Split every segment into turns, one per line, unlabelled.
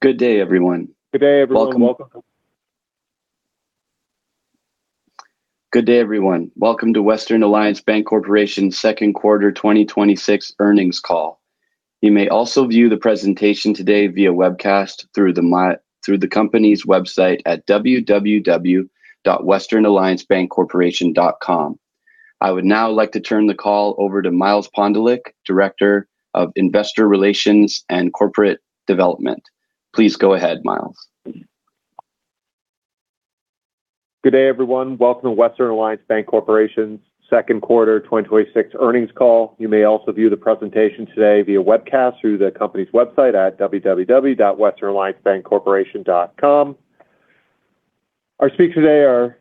Good day, everyone. Welcome to Western Alliance Bancorporation's second quarter 2026 earnings call. You may also view the presentation today via webcast through the company's website at www.westernalliancebancorporation.com. I would now like to turn the call over to Miles Pondelik, Director of Investor Relations and Corporate Development. Please go ahead, Miles.
Good day, everyone. Welcome to Western Alliance Bancorporation's second quarter 2026 earnings call. You may also view the presentation today via webcast through the company's website at www.westernalliancebancorporation.com. Our speakers today are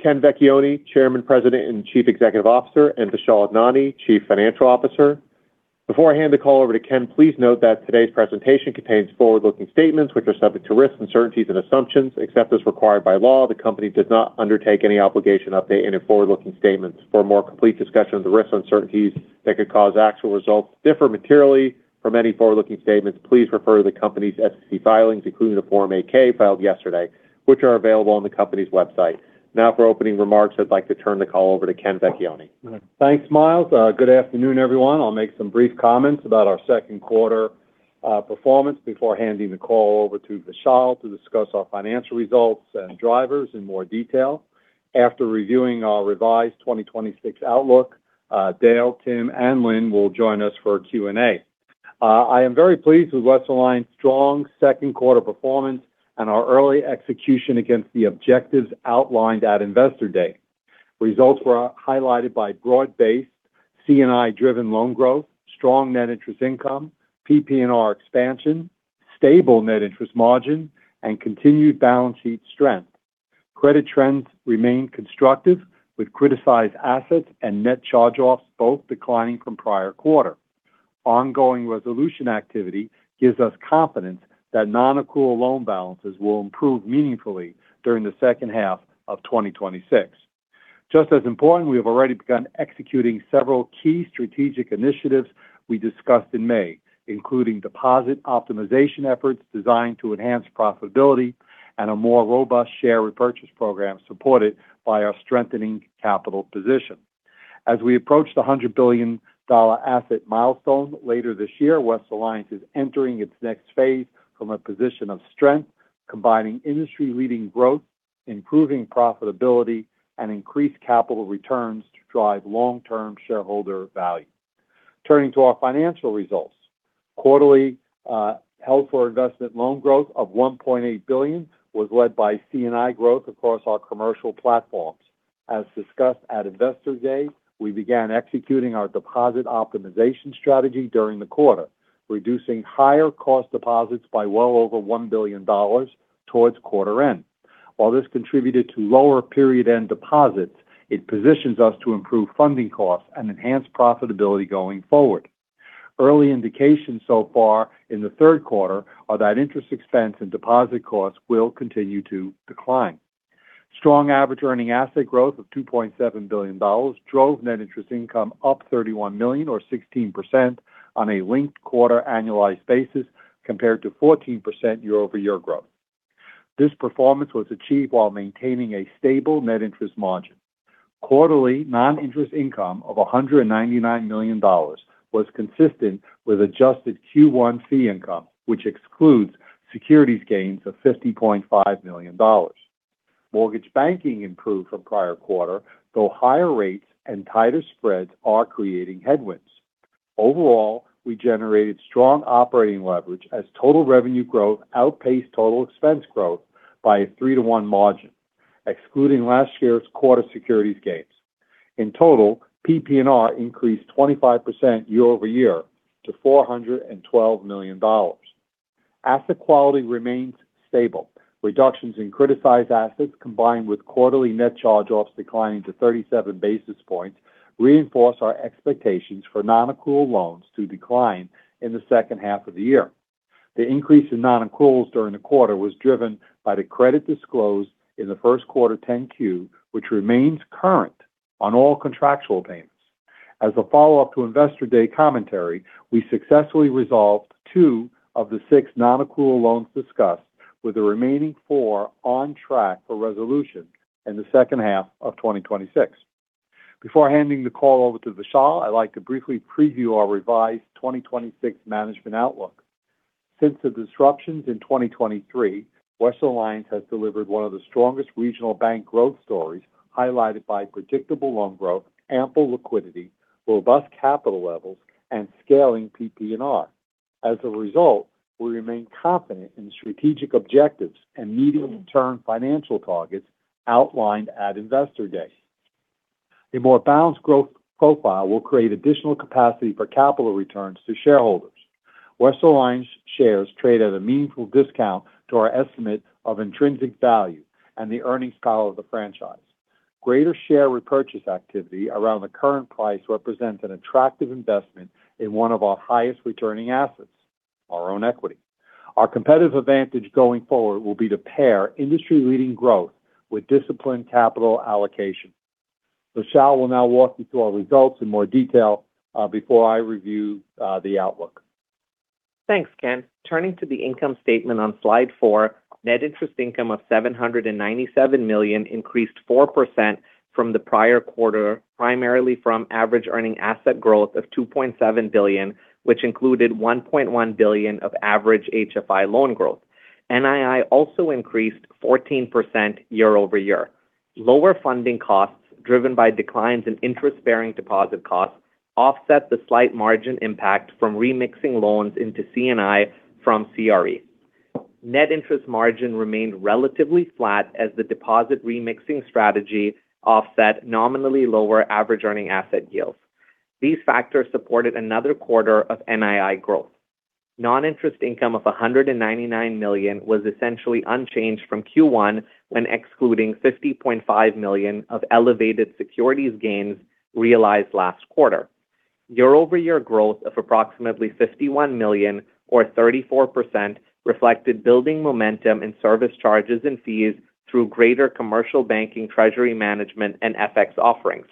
Ken Vecchione, Chairman, President, and Chief Executive Officer, and Vishal Idnani, Chief Financial Officer. Before I hand the call over to Ken, please note that today's presentation contains forward-looking statements, which are subject to risks, uncertainties, and assumptions. Except as required by law, the company does not undertake any obligation to update any forward-looking statements. For a more complete discussion of the risks and uncertainties that could cause actual results to differ materially from any forward-looking statements, please refer to the company's SEC filings, including the Form 8-K filed yesterday, which are available on the company's website. For opening remarks, I'd like to turn the call over to Ken Vecchione.
Thanks, Miles. Good afternoon, everyone. I'll make some brief comments about our second quarter performance before handing the call over to Vishal to discuss our financial results and drivers in more detail. After reviewing our revised 2026 outlook, Dale, Tim, and Lynne will join us for a Q&A. I am very pleased with Western Alliance's strong second quarter performance and our early execution against the objectives outlined at Investor Day. Results were highlighted by broad-based C&I-driven loan growth, strong net interest income, PP&R expansion, stable net interest margin, and continued balance sheet strength. Credit trends remain constructive with criticized assets and net charge-offs both declining from prior quarter. Ongoing resolution activity gives us confidence that non-accrual loan balances will improve meaningfully during the second half of 2026. Just as important, we have already begun executing several key strategic initiatives we discussed in May, including deposit optimization efforts designed to enhance profitability and a more robust share repurchase program supported by our strengthening capital position. As we approach the $100 billion asset milestone later this year, Western Alliance is entering its next phase from a position of strength, combining industry-leading growth, improving profitability, and increased capital returns to drive long-term shareholder value. Turning to our financial results. Quarterly held-for-investment loan growth of $1.8 billion was led by C&I growth across our commercial platforms. As discussed at Investor Day, we began executing our deposit optimization strategy during the quarter, reducing higher-cost deposits by well over $1 billion towards quarter end. While this contributed to lower period-end deposits, it positions us to improve funding costs and enhance profitability going forward. Early indications so far in the third quarter are that interest expense and deposit costs will continue to decline. Strong average earning asset growth of $2.7 billion drove net interest income up $31 million, or 16%, on a linked-quarter annualized basis compared to 14% year-over-year growth. This performance was achieved while maintaining a stable net interest margin. Quarterly non-interest income of $199 million was consistent with adjusted Q1 fee income, which excludes securities gains of $50.5 million. Mortgage banking improved from prior quarter, though higher rates and tighter spreads are creating headwinds. Overall, we generated strong operating leverage as total revenue growth outpaced total expense growth by a three-to-one margin, excluding last year's quarter securities gains. In total, PP&R increased 25% year-over-year to $412 million. Asset quality remains stable. Reductions in criticized assets, combined with quarterly net charge-offs declining to 37 basis points, reinforce our expectations for non-accrual loans to decline in the second half of the year. The increase in non-accruals during the quarter was driven by the credit disclosed in the first quarter 10-Q, which remains current on all contractual payments. As a follow-up to Investor Day commentary, we successfully resolved two of the six non-accrual loans discussed with the remaining four on track for resolution in the second half of 2026. Before handing the call over to Vishal, I'd like to briefly preview our revised 2026 management outlook. Since the disruptions in 2023, Western Alliance has delivered one of the strongest regional bank growth stories, highlighted by predictable loan growth, ample liquidity, robust capital levels, and scaling PP&R. As a result, we remain confident in the strategic objectives and medium-term financial targets outlined at Investor Day. A more balanced growth profile will create additional capacity for capital returns to shareholders. Western Alliance shares trade at a meaningful discount to our estimate of intrinsic value and the earnings power of the franchise. Greater share repurchase activity around the current price represents an attractive investment in one of our highest-returning assets, our own equity. Our competitive advantage going forward will be to pair industry-leading growth with disciplined capital allocation. Vishal will now walk you through our results in more detail before I review the outlook.
Thanks, Ken. Turning to the income statement on slide four, net interest income of $797 million increased 4% from the prior quarter, primarily from average earning asset growth of $2.7 billion, which included $1.1 billion of average HFI loan growth. NII also increased 14% year-over-year. Lower funding costs driven by declines in interest-bearing deposit costs offset the slight margin impact from remixing loans into C&I from CRE. Net interest margin remained relatively flat as the deposit remixing strategy offset nominally lower average earning asset yields. These factors supported another quarter of NII growth. Non-interest income of $199 million was essentially unchanged from Q1 when excluding $50.5 million of elevated securities gains realized last quarter. Year-over-year growth of approximately $51 million or 34% reflected building momentum in service charges and fees through greater commercial banking, treasury management, and FX offerings.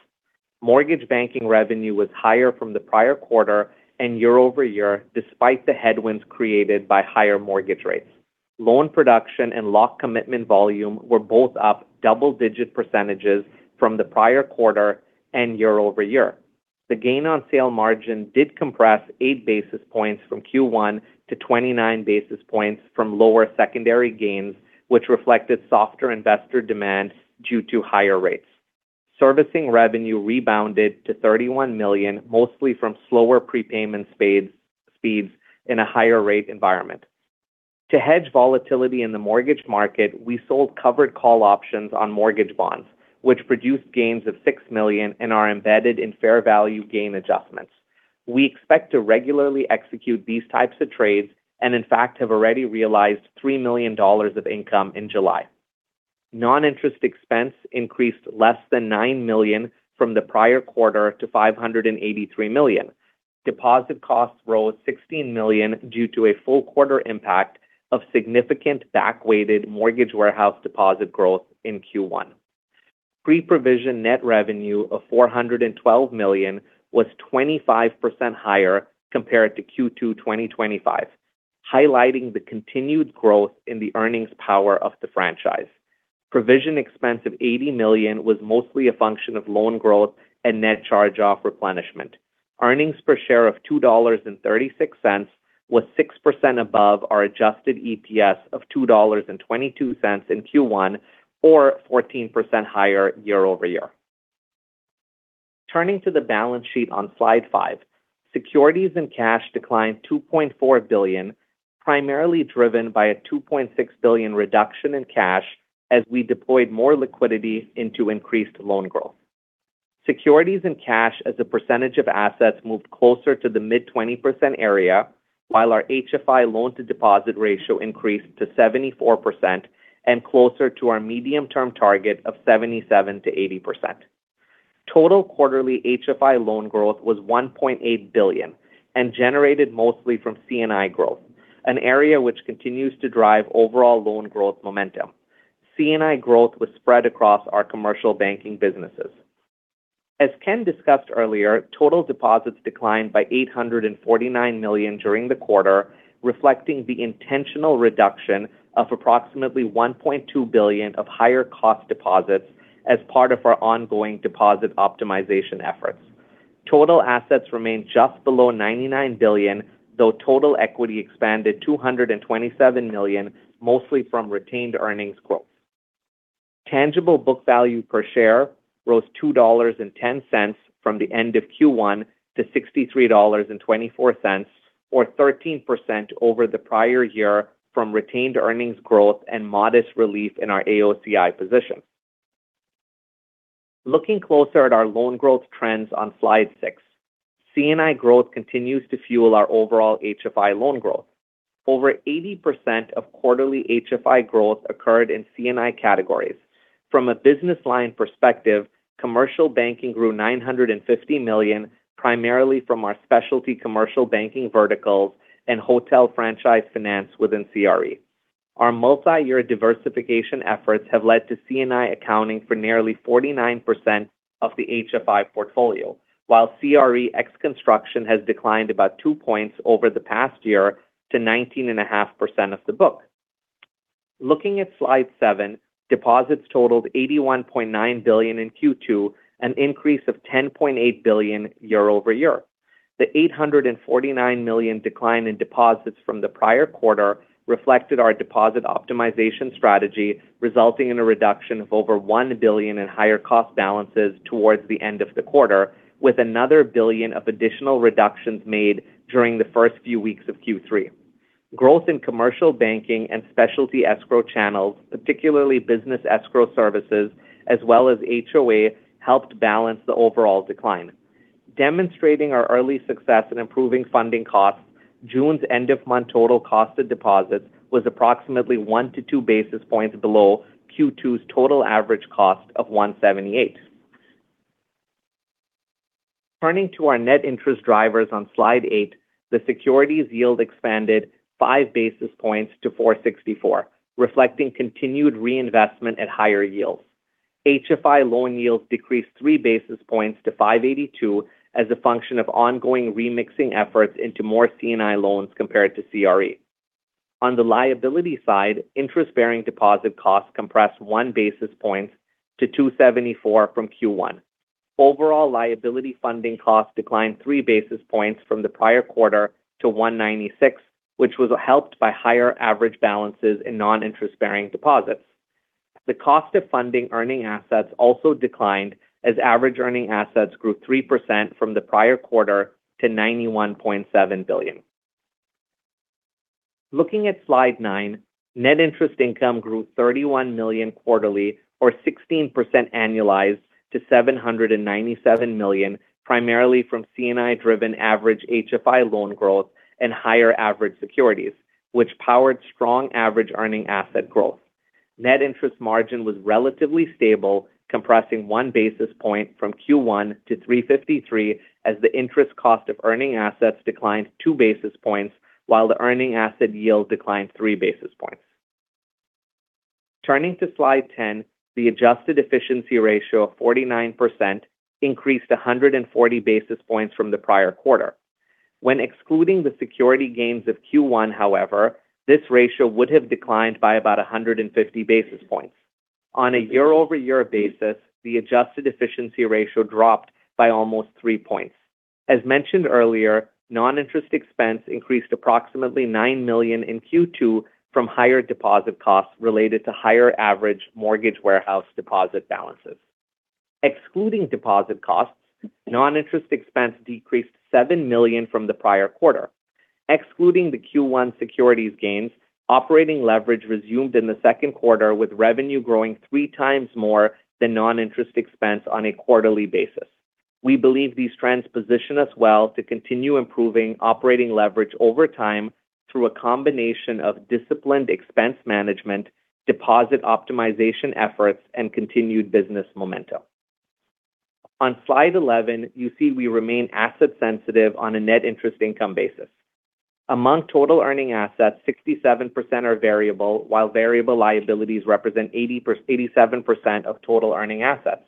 Mortgage banking revenue was higher from the prior quarter and year-over-year, despite the headwinds created by higher mortgage rates. Loan production and lock commitment volume were both up double-digit percentages from the prior quarter and year-over-year. The gain on sale margin did compress 8 basis points from Q1 to 29 basis points from lower secondary gains, which reflected softer investor demand due to higher rates. Servicing revenue rebounded to $31 million, mostly from slower prepayment speeds in a higher rate environment. To hedge volatility in the mortgage market, we sold covered call options on mortgage bonds, which produced gains of $6 million and are embedded in fair value gain adjustments. We expect to regularly execute these types of trades and in fact, have already realized $3 million of income in July. Non-interest expense increased less than $9 million from the prior quarter to $583 million. Deposit costs rose $16 million due to a full quarter impact of significant back-weighted mortgage warehouse deposit growth in Q1. Pre-provision net revenue of $412 million was 25% higher compared to Q2 2025, highlighting the continued growth in the earnings power of the franchise. Provision expense of $80 million was mostly a function of loan growth and net charge-off replenishment. Earnings per share of $2.36 was 6% above our adjusted EPS of $2.22 in Q1 or 14% higher year-over-year. Turning to the balance sheet on slide five, securities and cash declined $2.4 billion, primarily driven by a $2.6 billion reduction in cash as we deployed more liquidity into increased loan growth. Securities and cash as a percentage of assets moved closer to the mid-20% area, while our HFI loan-to-deposit ratio increased to 74% and closer to our medium-term target of 77%-80%. Total quarterly HFI loan growth was $1.8 billion and generated mostly from C&I growth, an area which continues to drive overall loan growth momentum. C&I growth was spread across our commercial banking businesses. As Ken discussed earlier, total deposits declined by $849 million during the quarter, reflecting the intentional reduction of approximately $1.2 billion of higher cost deposits as part of our ongoing deposit optimization efforts. Total assets remained just below $99 billion, though total equity expanded $227 million, mostly from retained earnings growth. Tangible book value per share rose $2.10 from the end of Q1 to $63.24 or 13% over the prior year from retained earnings growth and modest relief in our AOCI position. Looking closer at our loan growth trends on slide six, C&I growth continues to fuel our overall HFI loan growth. Over 80% of quarterly HFI growth occurred in C&I categories. From a business line perspective, commercial banking grew $950 million, primarily from our specialty commercial banking verticals and Hotel Franchise Finance within CRE. Our multi-year diversification efforts have led to C&I accounting for nearly 49% of the HFI portfolio. While CRE ex-construction has declined about two points over the past year to 19.5% of the book. Looking at slide seven, deposits totaled $81.9 billion in Q2, an increase of $10.8 billion year-over-year. The $849 million decline in deposits from the prior quarter reflected our deposit optimization strategy, resulting in a reduction of over $1 billion in higher cost balances towards the end of the quarter, with another $1 billion of additional reductions made during the first few weeks of Q3. Growth in commercial banking and Specialty Escrow channels, particularly Business Escrow Services as well as HOA, helped balance the overall decline. Demonstrating our early success in improving funding costs, June's end-of-month total cost of deposits was approximately one to two basis points below Q2's total average cost of 178. Turning to our net interest drivers on slide eight, the securities yield expanded five basis points to 464, reflecting continued reinvestment at higher yields. HFI loan yields decreased three basis points to 582 as a function of ongoing remixing efforts into more C&I loans compared to CRE. On the liability side, interest-bearing deposit costs compressed one basis point to 274 from Q1. Overall liability funding costs declined three basis points from the prior quarter to 196, which was helped by higher average balances in non-interest-bearing deposits. The cost of funding earning assets also declined as average earning assets grew 3% from the prior quarter to $91.7 billion. Looking at slide nine, net interest income grew $31 million quarterly, or 16% annualized, to $797 million, primarily from C&I-driven average HFI loan growth and higher average securities, which powered strong average earning asset growth. Net interest margin was relatively stable, compressing one basis point from Q1 to 353 as the interest cost of earning assets declined two basis points while the earning asset yield declined three basis points. Turning to slide 10, the adjusted efficiency ratio of 49% increased 140 basis points from the prior quarter. When excluding the security gains of Q1, however, this ratio would have declined by about 150 basis points. On a year-over-year basis, the adjusted efficiency ratio dropped by almost three points. As mentioned earlier, non-interest expense increased approximately $9 million in Q2 from higher deposit costs related to higher average mortgage warehouse deposit balances. Excluding deposit costs, non-interest expense decreased $7 million from the prior quarter. Excluding the Q1 securities gains, operating leverage resumed in the second quarter, with revenue growing three times more than non-interest expense on a quarterly basis. We believe these trends position us well to continue improving operating leverage over time through a combination of disciplined expense management, deposit optimization efforts, and continued business momentum. On slide 11, you see we remain asset sensitive on a net interest income basis. Among total earning assets, 67% are variable, while variable liabilities represent 87% of total earning assets.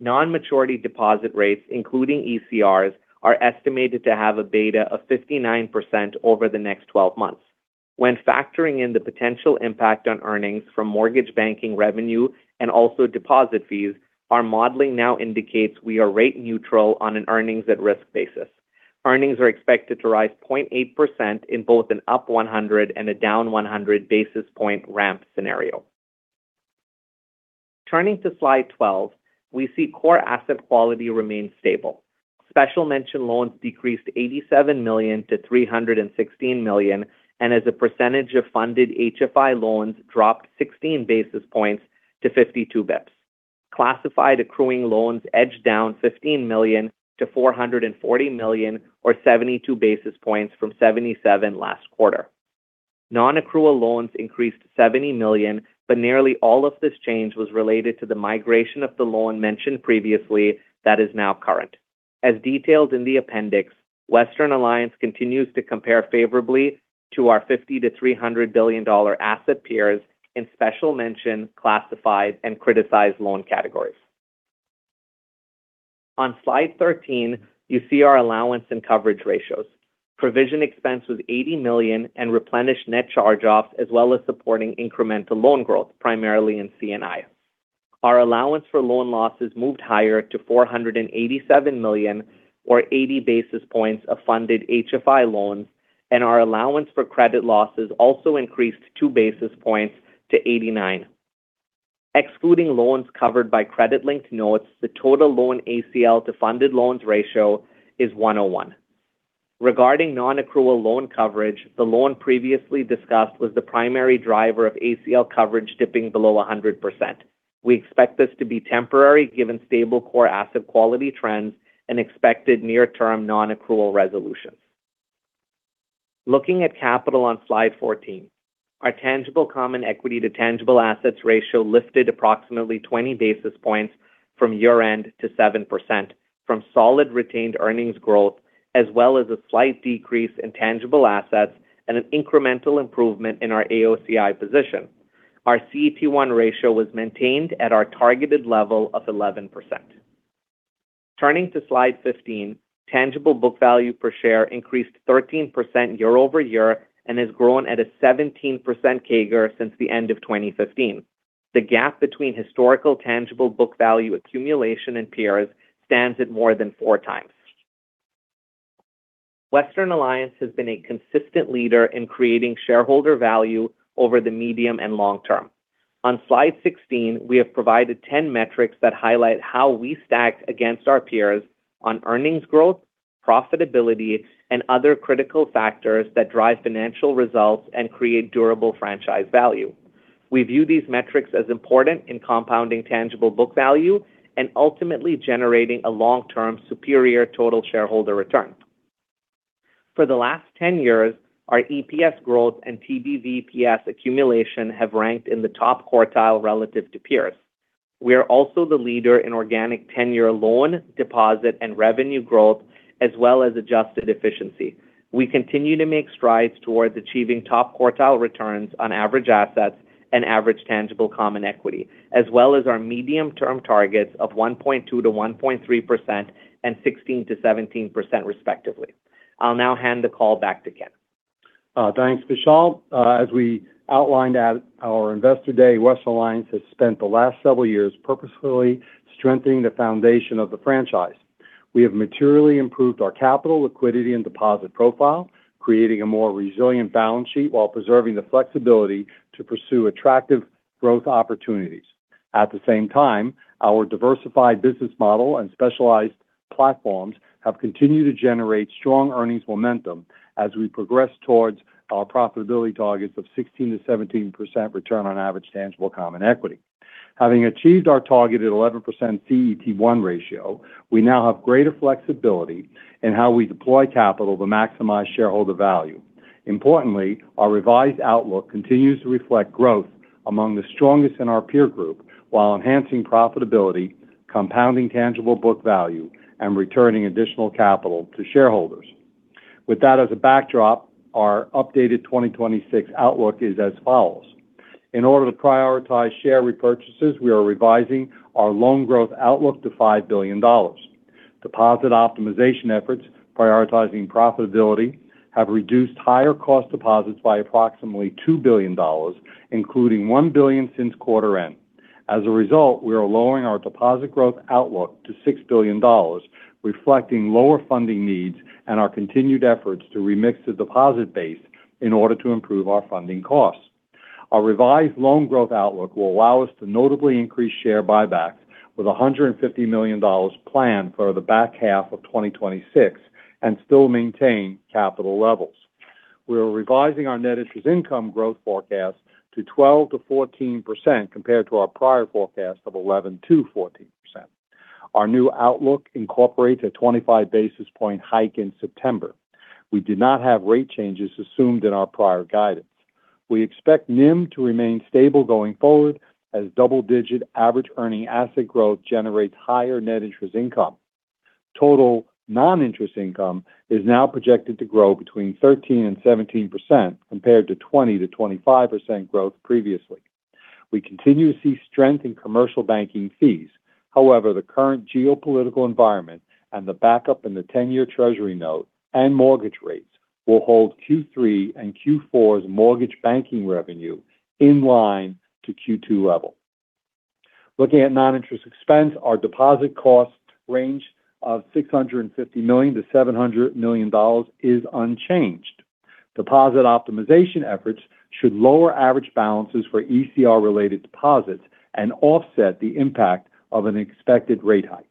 Non-maturity deposit rates, including ECRs, are estimated to have a beta of 59% over the next 12 months. When factoring in the potential impact on earnings from mortgage banking revenue and also deposit fees, our modeling now indicates we are rate neutral on an earnings at risk basis. Earnings are expected to rise 0.8% in both an up 100 and a down 100 basis point ramp scenario. Turning to slide 12, we see core asset quality remains stable. Special mention loans decreased $87 million to $316 million, and as a percentage of funded HFI loans dropped 16 basis points to 52 basis points. Classified accruing loans edged down $15 million to $440 million, or 72 basis points from 77 last quarter. Non-accrual loans increased $70 million, but nearly all of this change was related to the migration of the loan mentioned previously that is now current. As detailed in the appendix, Western Alliance continues to compare favorably to our $50 billion to $300 billion asset peers in special mention, classified, and criticized loan categories. On slide 13, you see our allowance and coverage ratios. Provision expense was $80 million and replenished net charge-offs, as well as supporting incremental loan growth, primarily in C&I. Our allowance for loan losses moved higher to $487 million, or 80 basis points of funded HFI loans, and our allowance for credit losses also increased two basis points to 89. Excluding loans covered by credit-linked notes, the total loan ACL to funded loans ratio is 101. Regarding non-accrual loan coverage, the loan previously discussed was the primary driver of ACL coverage dipping below 100%. We expect this to be temporary, given stable core asset quality trends and expected near-term non-accrual resolutions. Looking at capital on slide 14, our tangible common equity to tangible assets ratio lifted approximately 20 basis points from year-end to 7%, from solid retained earnings growth. As well as a slight decrease in tangible assets and an incremental improvement in our AOCI position. Our CET1 ratio was maintained at our targeted level of 11%. Turning to slide 15, tangible book value per share increased 13% year-over-year and has grown at a 17% CAGR since the end of 2015. The gap between historical tangible book value accumulation and peers stands at more than four times. Western Alliance has been a consistent leader in creating shareholder value over the medium and long term. On slide 16, we have provided 10 metrics that highlight how we stacked against our peers on earnings growth, profitability, and other critical factors that drive financial results and create durable franchise value. We view these metrics as important in compounding tangible book value and ultimately generating a long-term superior total shareholder return. For the last 10 years, our EPS growth and TBVPS accumulation have ranked in the top quartile relative to peers. We are also the leader in organic 10-year loan deposit and revenue growth, as well as adjusted efficiency. We continue to make strides towards achieving top quartile returns on average assets and average tangible common equity, as well as our medium-term targets of 1.2%-1.3% and 16%-17%, respectively. I'll now hand the call back to Ken.
Thanks, Vishal. As we outlined at our Investor Day, Western Alliance has spent the last several years purposefully strengthening the foundation of the franchise. We have materially improved our capital liquidity and deposit profile, creating a more resilient balance sheet while preserving the flexibility to pursue attractive growth opportunities. At the same time, our diversified business model and specialized platforms have continued to generate strong earnings momentum as we progress towards our profitability targets of 16%-17% return on average tangible common equity. Having achieved our targeted 11% CET1 ratio, we now have greater flexibility in how we deploy capital to maximize shareholder value. Importantly, our revised outlook continues to reflect growth among the strongest in our peer group while enhancing profitability, compounding tangible book value, and returning additional capital to shareholders. With that as a backdrop, our updated 2026 outlook is as follows. In order to prioritize share repurchases, we are revising our loan growth outlook to $5 billion. Deposit optimization efforts prioritizing profitability have reduced higher cost deposits by approximately $2 billion, including $1 billion since quarter end. As a result, we are lowering our deposit growth outlook to $6 billion, reflecting lower funding needs and our continued efforts to remix the deposit base in order to improve our funding costs. Our revised loan growth outlook will allow us to notably increase share buybacks with $150 million planned for the back half of 2026 and still maintain capital levels. We're revising our net interest income growth forecast to 12%-14%, compared to our prior forecast of 11%-14%. Our new outlook incorporates a 25-basis-point hike in September. We did not have rate changes assumed in our prior guidance. We expect NIM to remain stable going forward as double-digit average earning asset growth generates higher net interest income. Total non-interest income is now projected to grow between 13% and 17%, compared to 20%-25% growth previously. We continue to see strength in commercial banking fees. However, the current geopolitical environment and the backup in the 10-year Treasury note and mortgage rates will hold Q3 and Q4's mortgage banking revenue in line to Q2 level. Looking at non-interest expense, our deposit cost range of $650 million-$700 million is unchanged. Deposit optimization efforts should lower average balances for ECR-related deposits and offset the impact of an expected rate hike.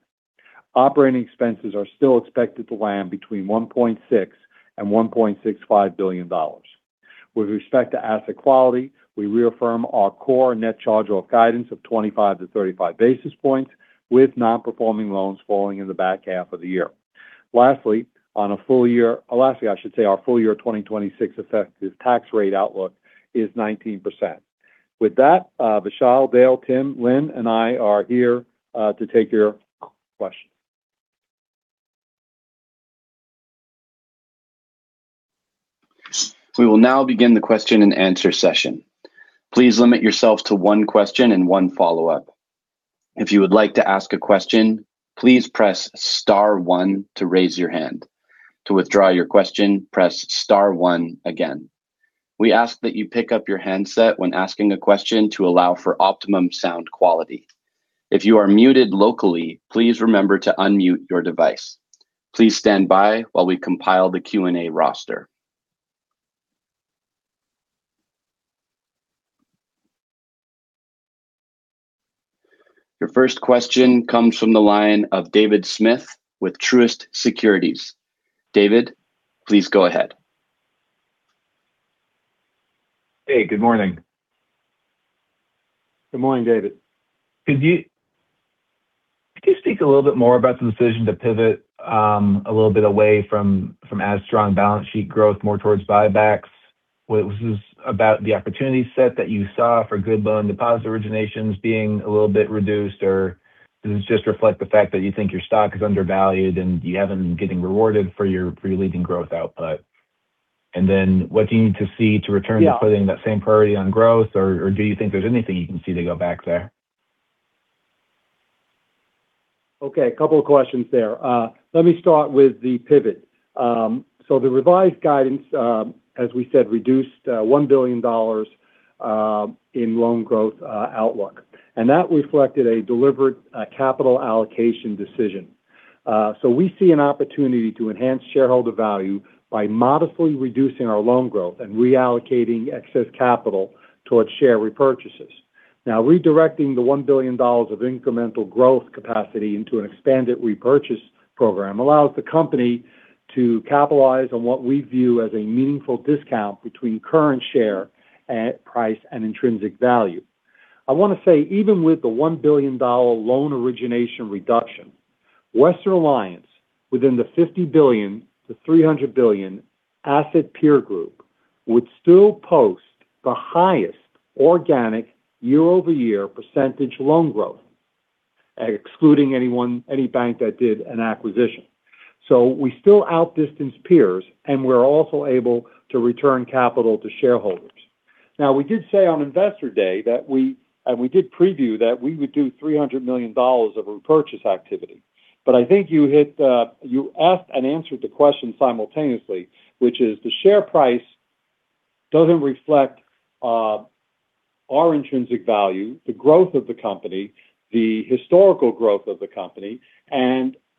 Operating expenses are still expected to land between $1.6 billion and $1.65 billion. With respect to asset quality, we reaffirm our core net charge-off guidance of 25 to 35 basis points, with non-performing loans falling in the back half of the year. Lastly, I should say our full year 2026 effective tax rate outlook is 19%. With that, Vishal, Dale, Tim, Lynne, and I are here to take your questions.
We will now begin the question and answer session. Please limit yourselves to one question and one follow-up. If you would like to ask a question, please press star one to raise your hand. To withdraw your question, press star one again. We ask that you pick up your handset when asking a question to allow for optimum sound quality. If you are muted locally, please remember to unmute your device. Please stand by while we compile the Q&A roster. Your first question comes from the line of David Smith with Truist Securities. David, please go ahead.
Hey, good morning.
Good morning, David.
Could you speak a little bit more about the decision to pivot a little bit away from as strong balance sheet growth more towards buybacks? Was this about the opportunity set that you saw for good loan deposit originations being a little bit reduced, or does this just reflect the fact that you think your stock is undervalued and you haven't been getting rewarded for your leading growth output? What do you need to see to return to putting that same priority on growth, or do you think there's anything you can see to go back there?
A couple of questions there. Let me start with the pivot. The revised guidance, as we said, reduced $1 billion in loan growth outlook. That reflected a deliberate capital allocation decision. We see an opportunity to enhance shareholder value by modestly reducing our loan growth and reallocating excess capital towards share repurchases. Redirecting the $1 billion of incremental growth capacity into an expanded repurchase program allows the company to capitalize on what we view as a meaningful discount between current share price and intrinsic value. I want to say, even with the $1 billion loan origination reduction, Western Alliance, within the $50 billion-$300 billion asset peer group, would still post the highest organic year-over-year percentage loan growth, excluding any bank that did an acquisition. We still outdistance peers, and we're also able to return capital to shareholders. We did say on Investor Day, and we did preview that we would do $300 million of repurchase activity. I think you asked and answered the question simultaneously, which is the share price doesn't reflect our intrinsic value, the growth of the company, the historical growth of the company,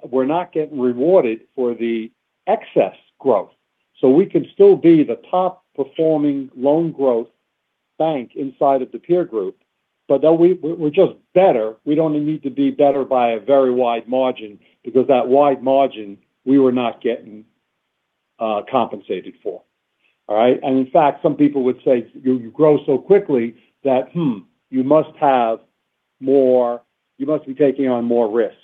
and we're not getting rewarded for the excess growth. We can still be the top-performing loan growth bank inside of the peer group. Though we're just better, we don't need to be better by a very wide margin because that wide margin, we were not getting compensated for. All right. In fact, some people would say you grow so quickly that you must be taking on more risk.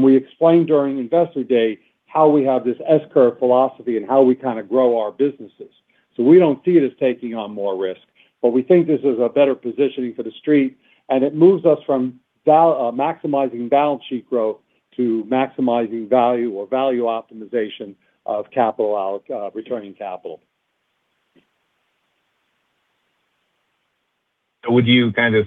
We explained during Investor Day how we have this S-curve philosophy and how we kind of grow our businesses. We don't see it as taking on more risk. We think this is a better positioning for The Street, and it moves us from maximizing balance sheet growth to maximizing value or value optimization of returning capital.
Would you kind of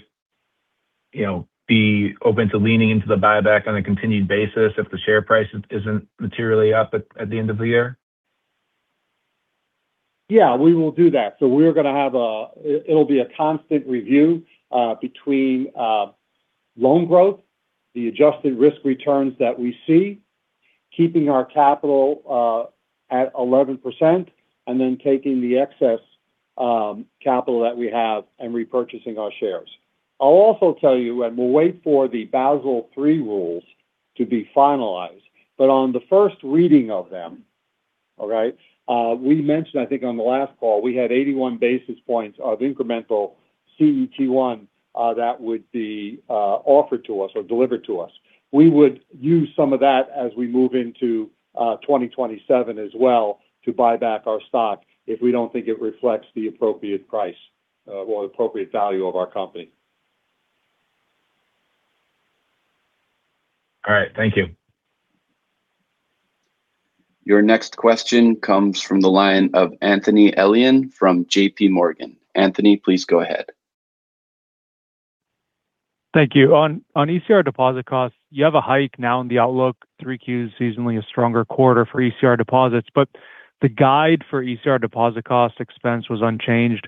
be open to leaning into the buyback on a continued basis if the share price isn't materially up at the end of the year?
Yeah, we will do that. It'll be a constant review between loan growth, the adjusted risk returns that we see, keeping our capital at 11%, and then taking the excess capital that we have and repurchasing our shares. I'll also tell you, and we'll wait for the Basel III rules to be finalized. On the first reading of them, all right? We mentioned, I think on the last call, we had 81 basis points of incremental CET1 that would be offered to us or delivered to us. We would use some of that as we move into 2027 as well to buy back our stock if we don't think it reflects the appropriate price or appropriate value of our company.
All right. Thank you.
Your next question comes from the line of Anthony Elian from JPMorgan. Anthony, please go ahead.
Thank you. On ECR deposit costs, you have a hike now in the outlook, three Qs, seasonally a stronger quarter for ECR deposits. The guide for ECR deposit cost expense was unchanged.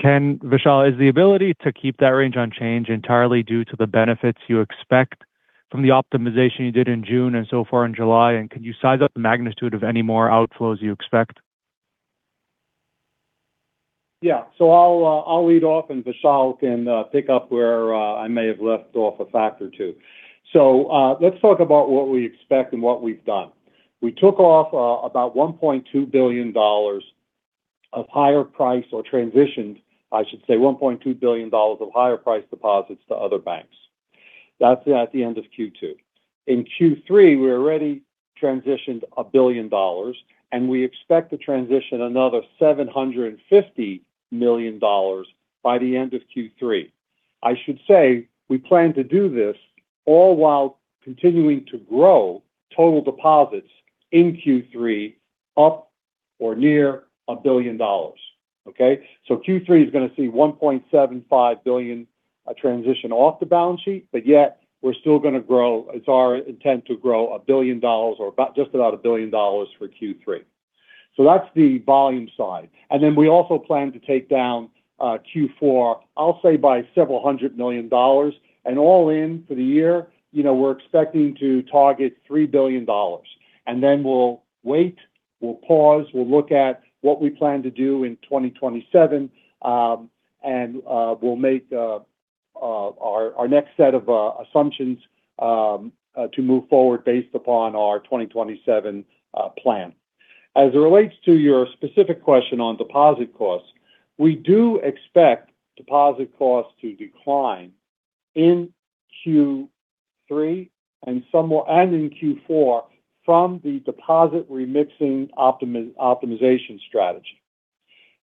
Vishal, is the ability to keep that range unchanged entirely due to the benefits you expect from the optimization you did in June and so far in July? Can you size up the magnitude of any more outflows you expect?
I'll lead off, and Vishal can pick up where I may have left off a fact or two. Let's talk about what we expect and what we've done. We took off about $1.2 billion of higher price, or transitioned, I should say $1.2 billion of higher price deposits to other banks. That's at the end of Q2. In Q3, we already transitioned $1 billion, and we expect to transition another $750 million by the end of Q3. I should say we plan to do this all while continuing to grow total deposits in Q3 up or near $1 billion. Q3 is going to see $1.75 billion transition off the balance sheet. Yet, we're still going to grow. It's our intent to grow $1 billion or about just about $1 billion for Q3. That's the volume side. We also plan to take down Q4, I'll say by several hundred million dollars. All in for the year, we're expecting to target $3 billion. We'll wait, we'll pause, we'll look at what we plan to do in 2027. We'll make our next set of assumptions to move forward based upon our 2027 plan. As it relates to your specific question on deposit costs, we do expect deposit costs to decline in Q3 and in Q4 from the deposit remixing optimization strategy.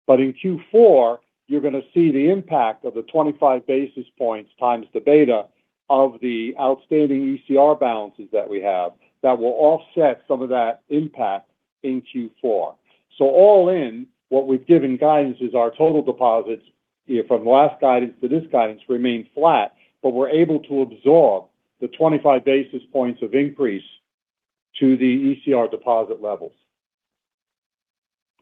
In Q4, you're going to see the impact of the 25 basis points times the beta of the outstanding ECR balances that we have that will offset some of that impact in Q4. All in, what we've given guidance is our total deposits from last guidance to this guidance remain flat, but we're able to absorb the 25 basis points of increase to the ECR deposit levels.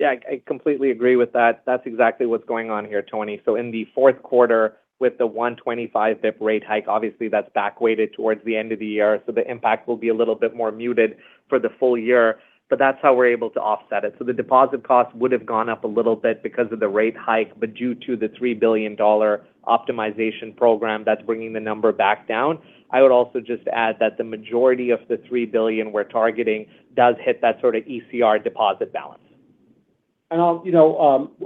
I completely agree with that. That's exactly what's going on here, Tony. In the fourth quarter with the a 25 basis point hike, obviously that's back weighted towards the end of the year. The impact will be a little bit more muted for the full year. That's how we're able to offset it. The deposit cost would have gone up a little bit because of the rate hike. Due to the $3 billion optimization program, that's bringing the number back down. I would also just add that the majority of the $3 billion we're targeting does hit that sort of ECR deposit balance.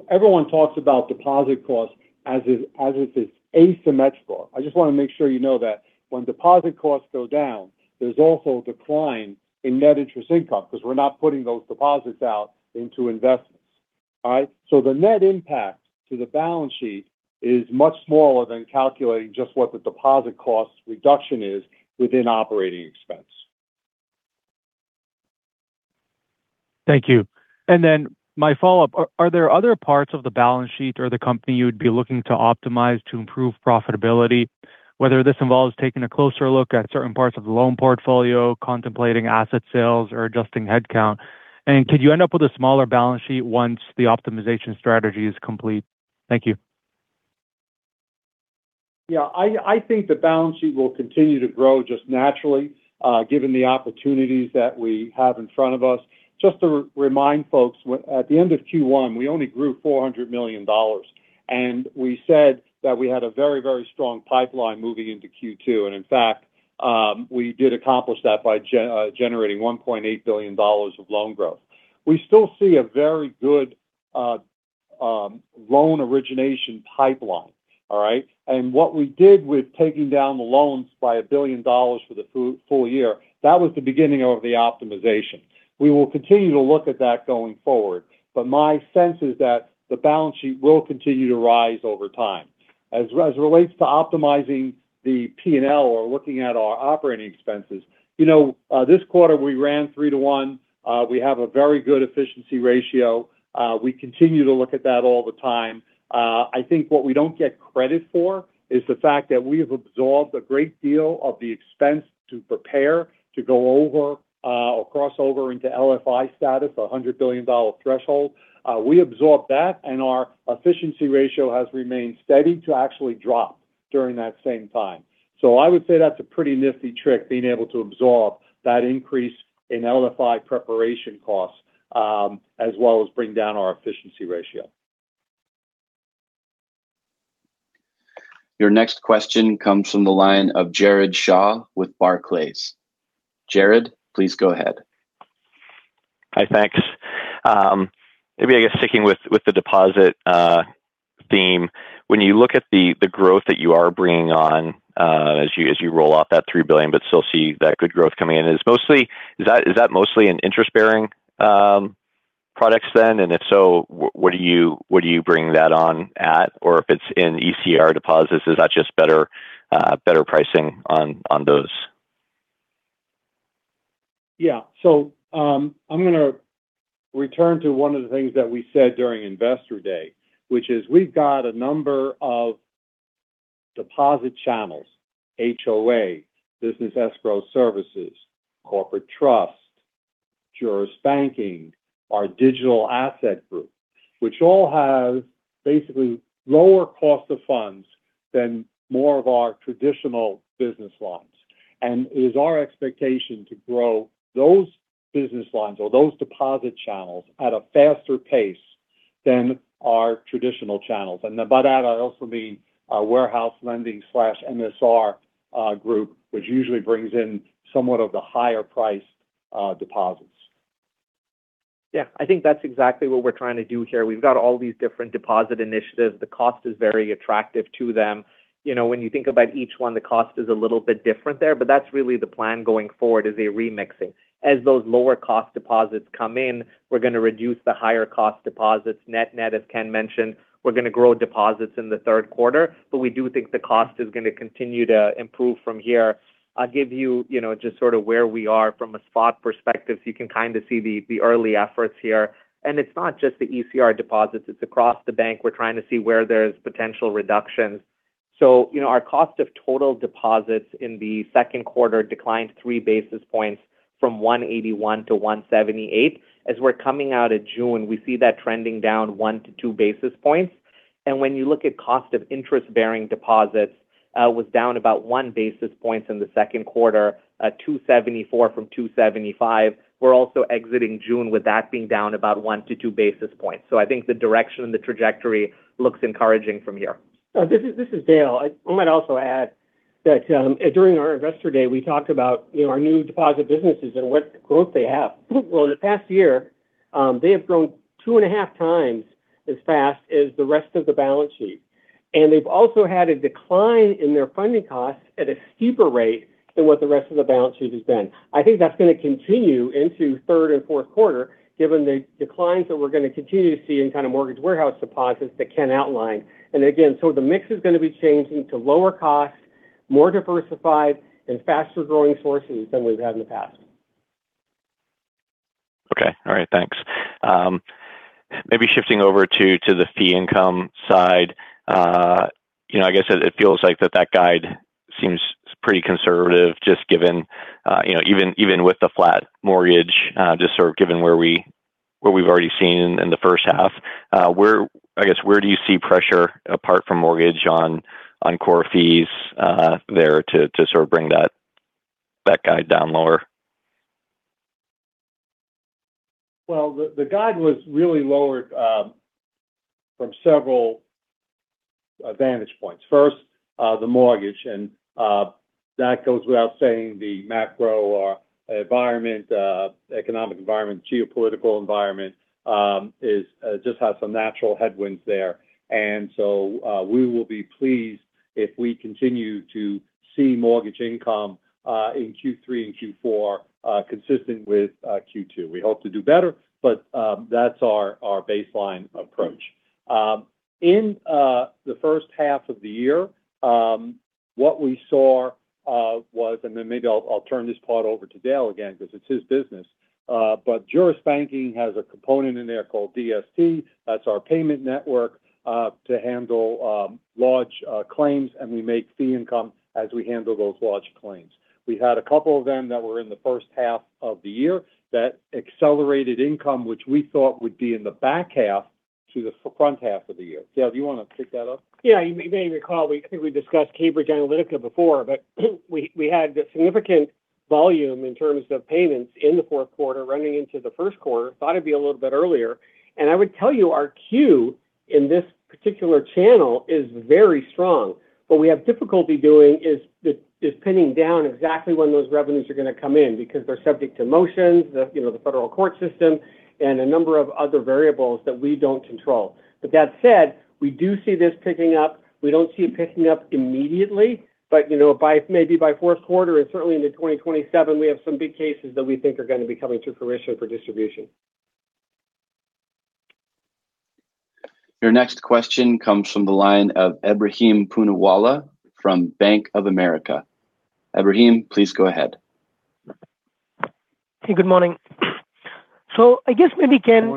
Everyone talks about deposit costs as if it's asymmetrical. I just want to make sure you know that when deposit costs go down, there's also a decline in net interest income because we're not putting those deposits out into investments. All right? The net impact to the balance sheet is much smaller than calculating just what the deposit cost reduction is within operating expense.
Thank you. My follow-up. Are there other parts of the balance sheet or the company you'd be looking to optimize to improve profitability? Whether this involves taking a closer look at certain parts of the loan portfolio, contemplating asset sales, or adjusting headcount. Could you end up with a smaller balance sheet once the optimization strategy is complete? Thank you.
I think the balance sheet will continue to grow just naturally, given the opportunities that we have in front of us. Just to remind folks, at the end of Q1, we only grew $400 million. We said that we had a very strong pipeline moving into Q2. In fact, we did accomplish that by generating $1.8 billion of loan growth. We still see a very good loan origination pipeline. All right? What we did with taking down the loans by $1 billion for the full year, that was the beginning of the optimization. We will continue to look at that going forward. My sense is that the balance sheet will continue to rise over time. As it relates to optimizing the P&L or looking at our operating expenses. This quarter, we ran 3:1. We have a very good efficiency ratio. We continue to look at that all the time. I think what we don't get credit for is the fact that we have absorbed a great deal of the expense to prepare to go over or cross over into LFI status, a $100 billion threshold. We absorbed that, our efficiency ratio has remained steady to actually drop during that same time. I would say that's a pretty nifty trick, being able to absorb that increase in LFI preparation costs, as well as bring down our efficiency ratio.
Your next question comes from the line of Jared Shaw with Barclays. Jared, please go ahead.
Hi, thanks. Maybe I guess sticking with the deposit theme. When you look at the growth that you are bringing on as you roll out that $3 billion but still see that good growth coming in. Is that mostly in interest-bearing products then? If so, what are you bringing that on at? If it's in ECR deposits, is that just better pricing on those?
Yeah. I'm going to return to one of the things that we said during Investor Day, which is we've got a number of deposit channels. HOA, Business Escrow Services, Corporate Trust, Juris Banking, our Digital Asset Group. All have basically lower cost of funds than more of our traditional business lines. It is our expectation to grow those business lines or those deposit channels at a faster pace than our traditional channels. By that, I also mean our warehouse lending/MSR group, which usually brings in somewhat of the higher priced deposits.
Yeah, I think that's exactly what we're trying to do here. We've got all these different deposit initiatives. The cost is very attractive to them. When you think about each one, the cost is a little bit different there, but that's really the plan going forward, is a remixing. As those lower cost deposits come in, we're going to reduce the higher cost deposits net-net. As Ken mentioned, we're going to grow deposits in the third quarter, but we do think the cost is going to continue to improve from here. I'll give you just sort of where we are from a spot perspective, so you can kind of see the early efforts here. It's not just the ECR deposits, it's across the bank. We're trying to see where there's potential reductions. Our cost of total deposits in the second quarter declined three basis points from 181 to 178. As we're coming out of June, we see that trending down one to two basis points. When you look at cost of interest-bearing deposits, was down about one basis point in the second quarter at 274 from 275. We're also exiting June with that being down about one to two basis points. I think the direction and the trajectory looks encouraging from here.
This is Dale. I might also add that during our Investor Day, we talked about our new deposit businesses and what growth they have. Well, in the past year, they have grown two and a half times as fast as the rest of the balance sheet. They've also had a decline in their funding costs at a steeper rate than what the rest of the balance sheet has been. I think that's going to continue into third and fourth quarter, given the declines that we're going to continue to see in kind of mortgage warehouse deposits that Ken outlined. Again, the mix is going to be changing to lower cost, more diversified, and faster-growing sources than we've had in the past.
Okay. All right. Thanks. Maybe shifting over to the fee income side. I guess it feels like that guide seems pretty conservative, even with the flat mortgage just sort of given where we've already seen in the first half. I guess where do you see pressure apart from mortgage on core fees there to sort of bring that guide down lower?
The guide was really lowered from several vantage points. First, the mortgage. That goes without saying, the macro environment, economic environment, geopolitical environment just has some natural headwinds there. We will be pleased if we continue to see mortgage income in Q3 and Q4 consistent with Q2. We hope to do better, but that is our baseline approach. In the first half of the year, what we saw was, maybe I will turn this part over to Dale again because it is his business. Juris Banking has a component in there called DST. That is our payment network to handle large claims, and we make fee income as we handle those large claims. We had a couple of them that were in the first half of the year that accelerated income, which we thought would be in the back half to the front half of the year. Dale, do you want to pick that up?
You may recall, I think we discussed Cambridge Analytica before, we had significant volume in terms of payments in the fourth quarter running into the first quarter. Thought it would be a little bit earlier. I would tell you our queue in this particular channel is very strong. What we have difficulty doing is pinning down exactly when those revenues are going to come in because they are subject to motions, the federal court system, and a number of other variables that we do not control. That said, we do see this picking up. We do not see it picking up immediately. Maybe by fourth quarter and certainly into 2027, we have some big cases that we think are going to be coming to fruition for distribution.
Your next question comes from the line of Ebrahim Poonawala from Bank of America. Ebrahim, please go ahead.
Hey, good morning.
Good morning.
I guess maybe, Ken,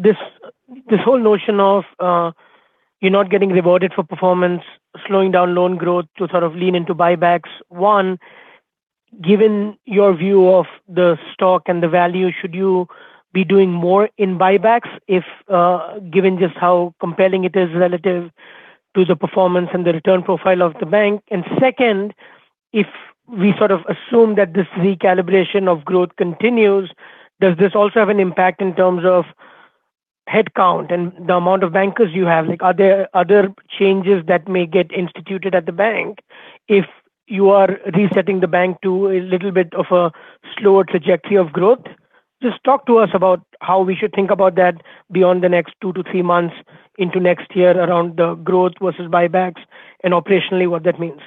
this whole notion of you're not getting rewarded for performance, slowing down loan growth to sort of lean into buybacks. One, given your view of the stock and the value, should you be doing more in buybacks if given just how compelling it is relative to the performance and the return profile of the bank? Second, if we sort of assume that this recalibration of growth continues, does this also have an impact in terms of headcount and the amount of bankers you have? Are there other changes that may get instituted at the bank if you are resetting the bank to a little bit of a slower trajectory of growth? Just talk to us about how we should think about that beyond the next two to three months into next year around the growth versus buybacks and operationally what that means.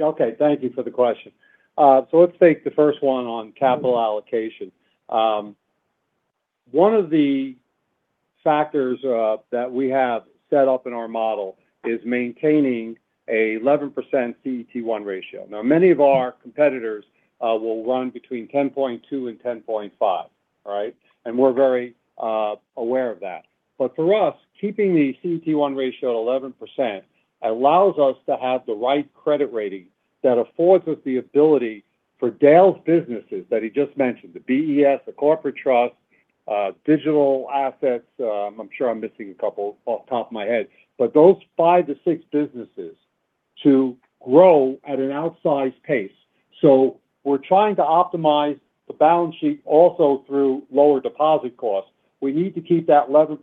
Okay. Thank you for the question. Let's take the first one on capital allocation. One of the factors that we have set up in our model is maintaining a 11% CET1 ratio. Many of our competitors will run between 10.2 and 10.5. All right? We're very aware of that. For us, keeping the CET1 ratio at 11% allows us to have the right credit rating that affords us the ability for Dale's businesses that he just mentioned, the BES, the Corporate Trust, Digital Assets. I'm sure I'm missing a couple off the top of my head. Those five to six businesses to grow at an outsized pace. We're trying to optimize the balance sheet also through lower deposit costs. We need to keep that 11%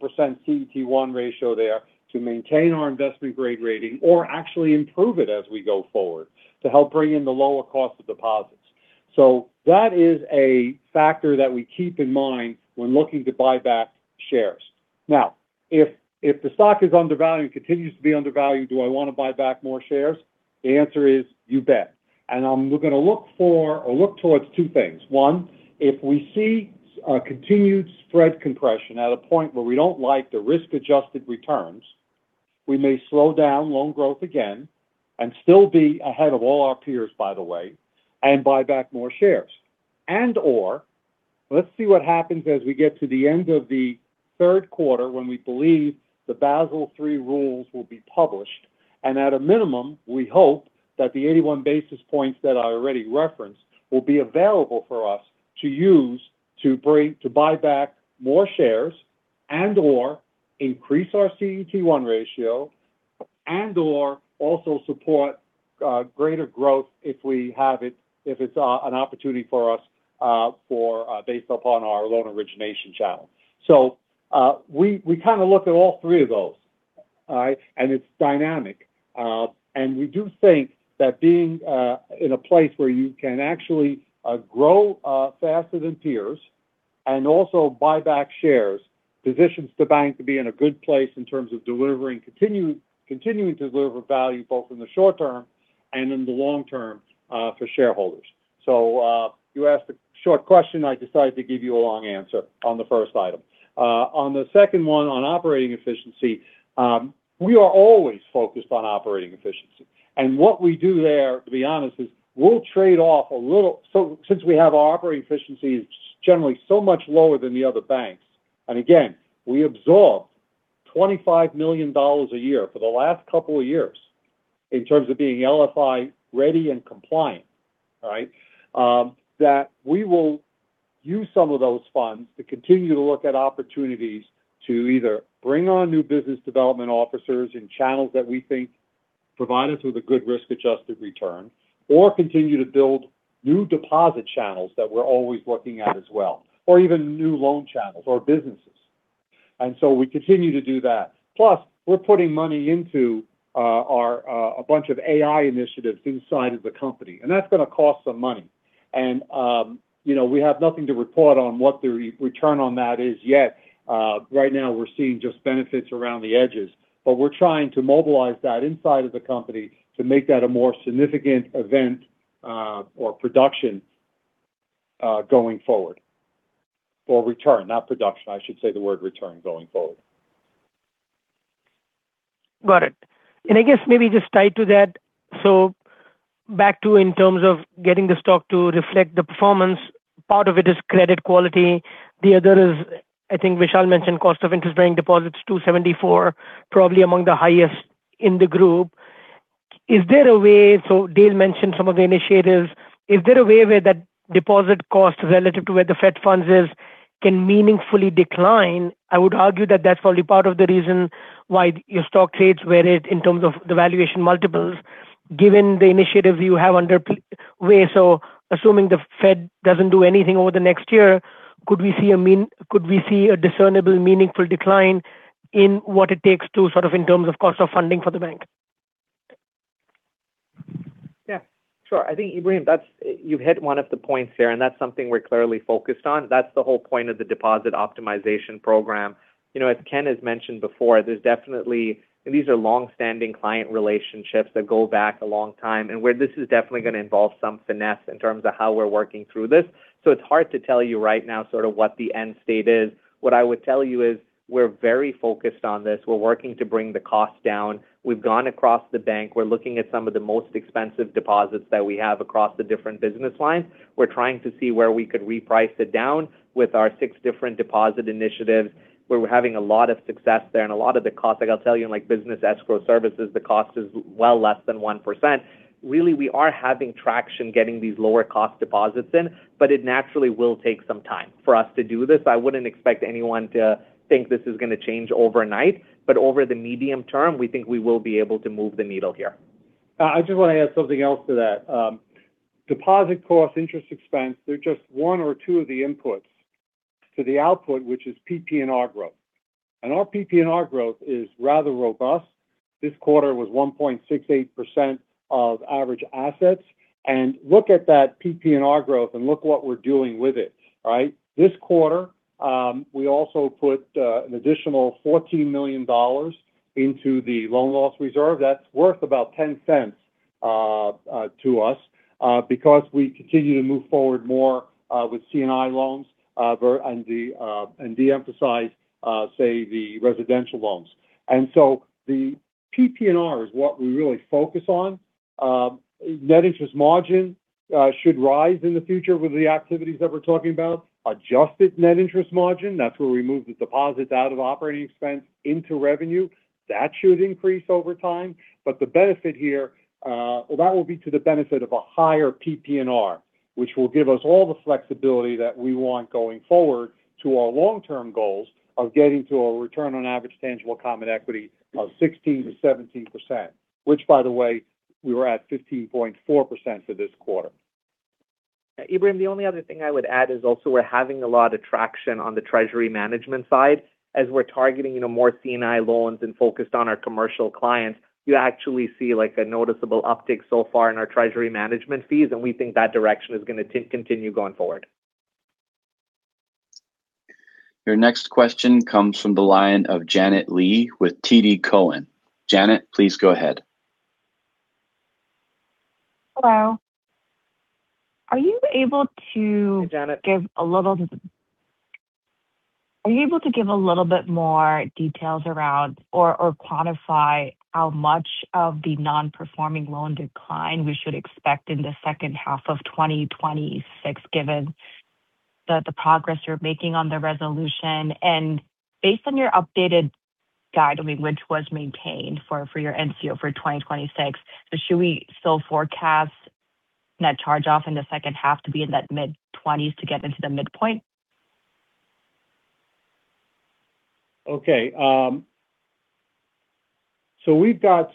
CET1 ratio there to maintain our investment grade rating or actually improve it as we go forward to help bring in the lower cost of deposits. That is a factor that we keep in mind when looking to buy back shares. Now, if the stock is undervalued and continues to be undervalued, do I want to buy back more shares? The answer is, you bet. We're going to look for or look towards two things. One, if we see a continued spread compression at a point where we don't like the risk-adjusted returns, we may slow down loan growth again and still be ahead of all our peers, by the way, and buy back more shares. And/or let's see what happens as we get to the end of the third quarter when we believe the Basel III rules will be published. At a minimum, we hope that the 81 basis points that I already referenced will be available for us to use to buy back more shares and/or increase our CET1 ratio and/or also support greater growth if we have it, if it's an opportunity for us based upon our loan origination channel. We kind of look at all three of those. All right? It's dynamic. We do think that being in a place where you can actually grow faster than peers and also buy back shares positions the bank to be in a good place in terms of continuing to deliver value both in the short term and in the long term for shareholders. You asked a short question. I decided to give you a long answer on the first item. On the second one, on operating efficiency. We are always focused on operating efficiency, and what we do there, to be honest, is we'll trade off a little. Since we have operating efficiencies generally so much lower than the other banks, and again, we absorbed $25 million a year for the last couple of years in terms of being LFI ready and compliant. All right? That we will use some of those funds to continue to look at opportunities to either bring on new business development officers in channels that we think provide us with a good risk-adjusted return or continue to build new deposit channels that we're always looking at as well, or even new loan channels or businesses. We continue to do that. Plus, we're putting money into a bunch of AI initiatives inside of the company, and that's going to cost some money. We have nothing to report on what the return on that is yet. Right now we're seeing just benefits around the edges. We're trying to mobilize that inside of the company to make that a more significant event or production going forward. Or return, not production. I should say the word return going forward.
Got it. I guess maybe just tied to that, back to in terms of getting the stock to reflect the performance, part of it is credit quality. The other is, I think Vishal mentioned cost of interest-bearing deposits 274, probably among the highest in the group. Dale mentioned some of the initiatives. Is there a way where that deposit cost relative to where the Fed funds is can meaningfully decline? I would argue that that's probably part of the reason why your stock trades where it is in terms of the valuation multiples, given the initiatives you have underway. Assuming the Fed doesn't do anything over the next year, could we see a discernible, meaningful decline in what it takes to sort of in terms of cost of funding for the bank?
Yeah, sure. I think, Ebrahim, you've hit one of the points there, that's something we're clearly focused on. That's the whole point of the deposit optimization program. As Ken has mentioned before, these are longstanding client relationships that go back a long time and where this is definitely going to involve some finesse in terms of how we're working through this. It's hard to tell you right now sort of what the end state is. What I would tell you is we're very focused on this. We're working to bring the cost down. We've gone across the bank. We're looking at some of the most expensive deposits that we have across the different business lines. We're trying to see where we could reprice it down with our six different deposit initiatives where we're having a lot of success there. A lot of the cost, like I'll tell you in Business Escrow Services, the cost is well less than 1%. Really, we are having traction getting these lower cost deposits in, it naturally will take some time for us to do this. I wouldn't expect anyone to think this is going to change overnight. Over the medium term, we think we will be able to move the needle here.
I just want to add something else to that. Deposit cost, interest expense, they're just one or two of the inputs to the output, which is PP&R growth. Our PP&R growth is rather robust. This quarter was 1.68% of average assets. Look at that PP&R growth and look what we're doing with it. Right? This quarter, we also put an additional $14 million into the loan loss reserve. That's worth about $0.10 to us because we continue to move forward more with C&I loans and de-emphasize, say, the residential loans. The PP&R is what we really focus on. Net interest margin should rise in the future with the activities that we're talking about. Adjusted net interest margin, that's where we move the deposits out of operating expense into revenue. That should increase over time. The benefit here, well, that will be to the benefit of a higher PP&R, which will give us all the flexibility that we want going forward to our long-term goals of getting to a return on average tangible common equity of 16%-17%, which by the way, we were at 15.4% for this quarter.
Ebrahim, the only other thing I would add is also we're having a lot of traction on the treasury management side. As we're targeting more C&I loans and focused on our commercial clients, you actually see a noticeable uptick so far in our treasury management fees. We think that direction is going to continue going forward.
Your next question comes from the line of Janet Lee with TD Cowen. Janet, please go ahead.
Hello. Are you able to?
Hey, Janet.
Give a little. Are you able to give a little bit more details around or quantify how much of the non-performing loan decline we should expect in the second half of 2026 given the progress you're making on the resolution? Based on your updated guide, which was maintained for your NCO for 2026, should we still forecast net charge-off in the second half to be in that mid-20s to get into the midpoint?
Okay. We've got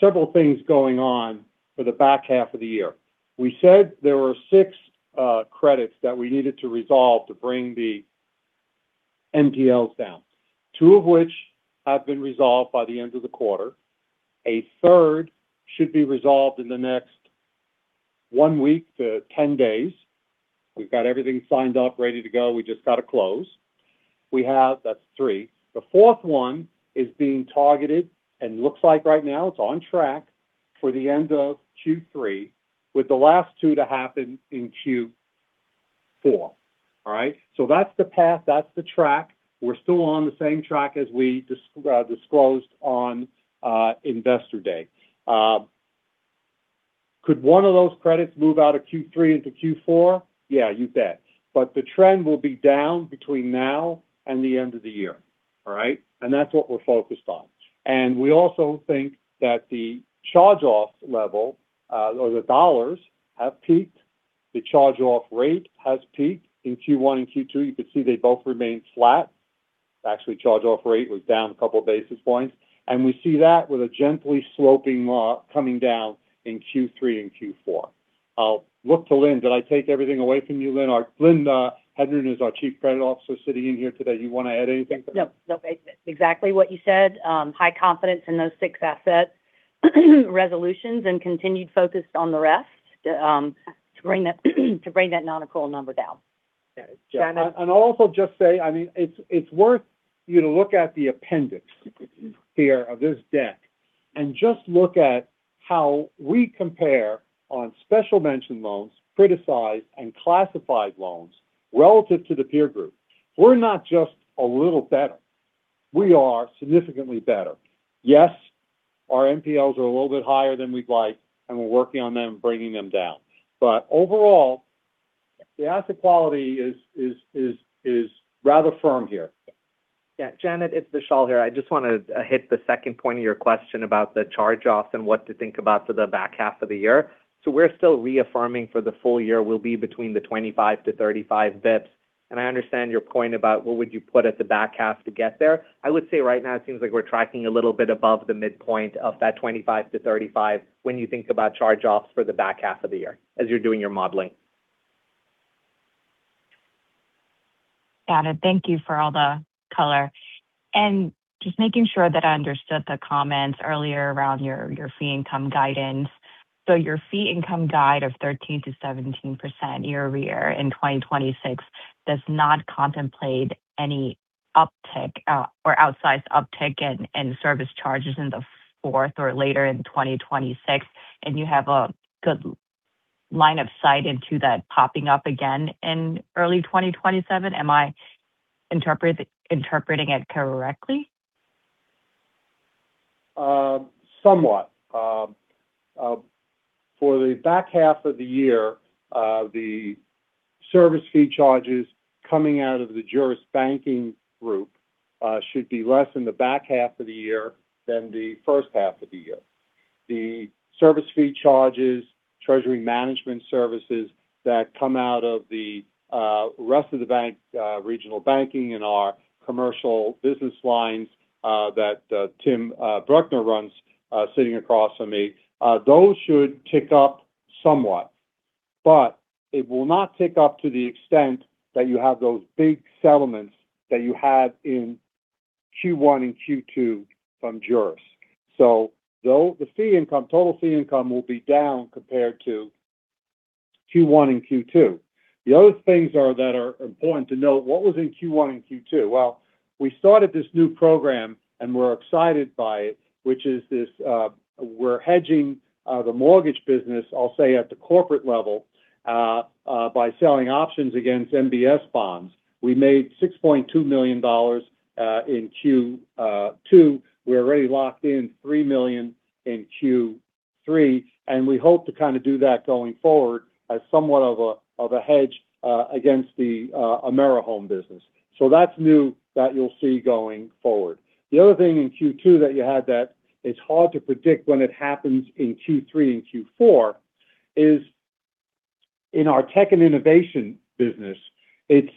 several things going on for the back half of the year. We said there were six credits that we needed to resolve to bring the NPLs down. Two of which have been resolved by the end of the quarter. A third should be resolved in the next one week to 10 days. We've got everything signed up, ready to go. We just got to close. That's three. The fourth one is being targeted and looks like right now it's on track for the end of Q3, with the last two to happen in Q4. All right? That's the path, that's the track. We're still on the same track as we disclosed on Investor Day. Could one of those credits move out of Q3 into Q4? Yeah, you bet. The trend will be down between now and the end of the year. All right? That's what we're focused on. We also think that the charge-off level, or the dollars, have peaked. The charge-off rate has peaked in Q1 and Q2. You could see they both remain flat. Actually, charge-off rate was down a couple basis points. We see that with a gently sloping mark coming down in Q3 and Q4. I'll look to Lynne. Did I take everything away from you, Lynne? Lynne Herndon is our Chief Credit Officer sitting in here today. You want to add anything to that?
No. Exactly what you said. High confidence in those six asset resolutions and continued focus on the rest to bring that non-accrual number down.
I'll also just say, it's worth you to look at the appendix here of this deck, and just look at how we compare on special mention loans, criticized and classified loans relative to the peer group. We're not just a little better. We are significantly better. Yes, our NPLs are a little bit higher than we'd like, and we're working on them bringing them down. Overall, the asset quality is rather firm here.
Yeah. Janet, it's Vishal here. I just want to hit the second point of your question about the charge-offs and what to think about for the back half of the year. We're still reaffirming for the full year we'll be between the 25 to 35 bps. I understand your point about what would you put at the back half to get there. I would say right now it seems like we're tracking a little bit above the midpoint of that 25 to 35 when you think about charge-offs for the back half of the year as you're doing your modeling.
Got it. Thank you for all the color. Just making sure that I understood the comments earlier around your fee income guidance. Your fee income guide of 13%-17% year-over-year in 2026 does not contemplate any uptick or outsized uptick in service charges in the fourth or later in 2026. You have a good line of sight into that popping up again in early 2027. Am I interpreting it correctly?
Somewhat. For the back half of the year, the service fee charges coming out of the Juris Banking group should be less in the back half of the year than the first half of the year. The service fee charges, treasury management services that come out of the rest of the bank regional banking and our commercial business lines that Tim Bruckner runs sitting across from me, those should tick up somewhat. It will not tick up to the extent that you have those big settlements that you had in Q1 and Q2 from Juris. The total fee income will be down compared to Q1 and Q2. The other things that are important to note, what was in Q1 and Q2? We started this new program, and we're excited by it, which is this we're hedging the mortgage business, I'll say at the corporate level, by selling options against MBS bonds. We made $6.2 million in Q2. We already locked in $3 million in Q3, and we hope to kind of do that going forward as somewhat of a hedge against the AmeriHome business. That's new that you'll see going forward. The other thing in Q2 that you had that is hard to predict when it happens in Q3 and Q4 is in our tech and innovation business. It's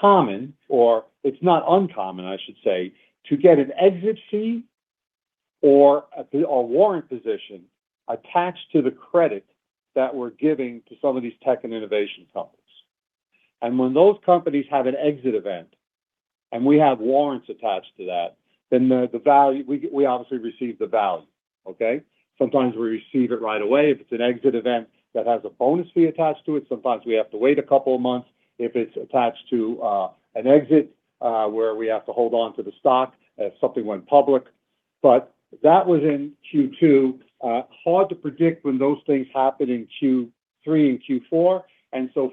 common, or it's not uncommon I should say, to get an exit fee or a warrant position attached to the credit that we're giving to some of these tech and innovation companies. When those companies have an exit event, and we have warrants attached to that, then we obviously receive the value. Okay? Sometimes we receive it right away if it's an exit event that has a bonus fee attached to it. Sometimes we have to wait a couple of months if it's attached to an exit where we have to hold onto the stock if something went public. That was in Q2. Hard to predict when those things happen in Q3 and Q4.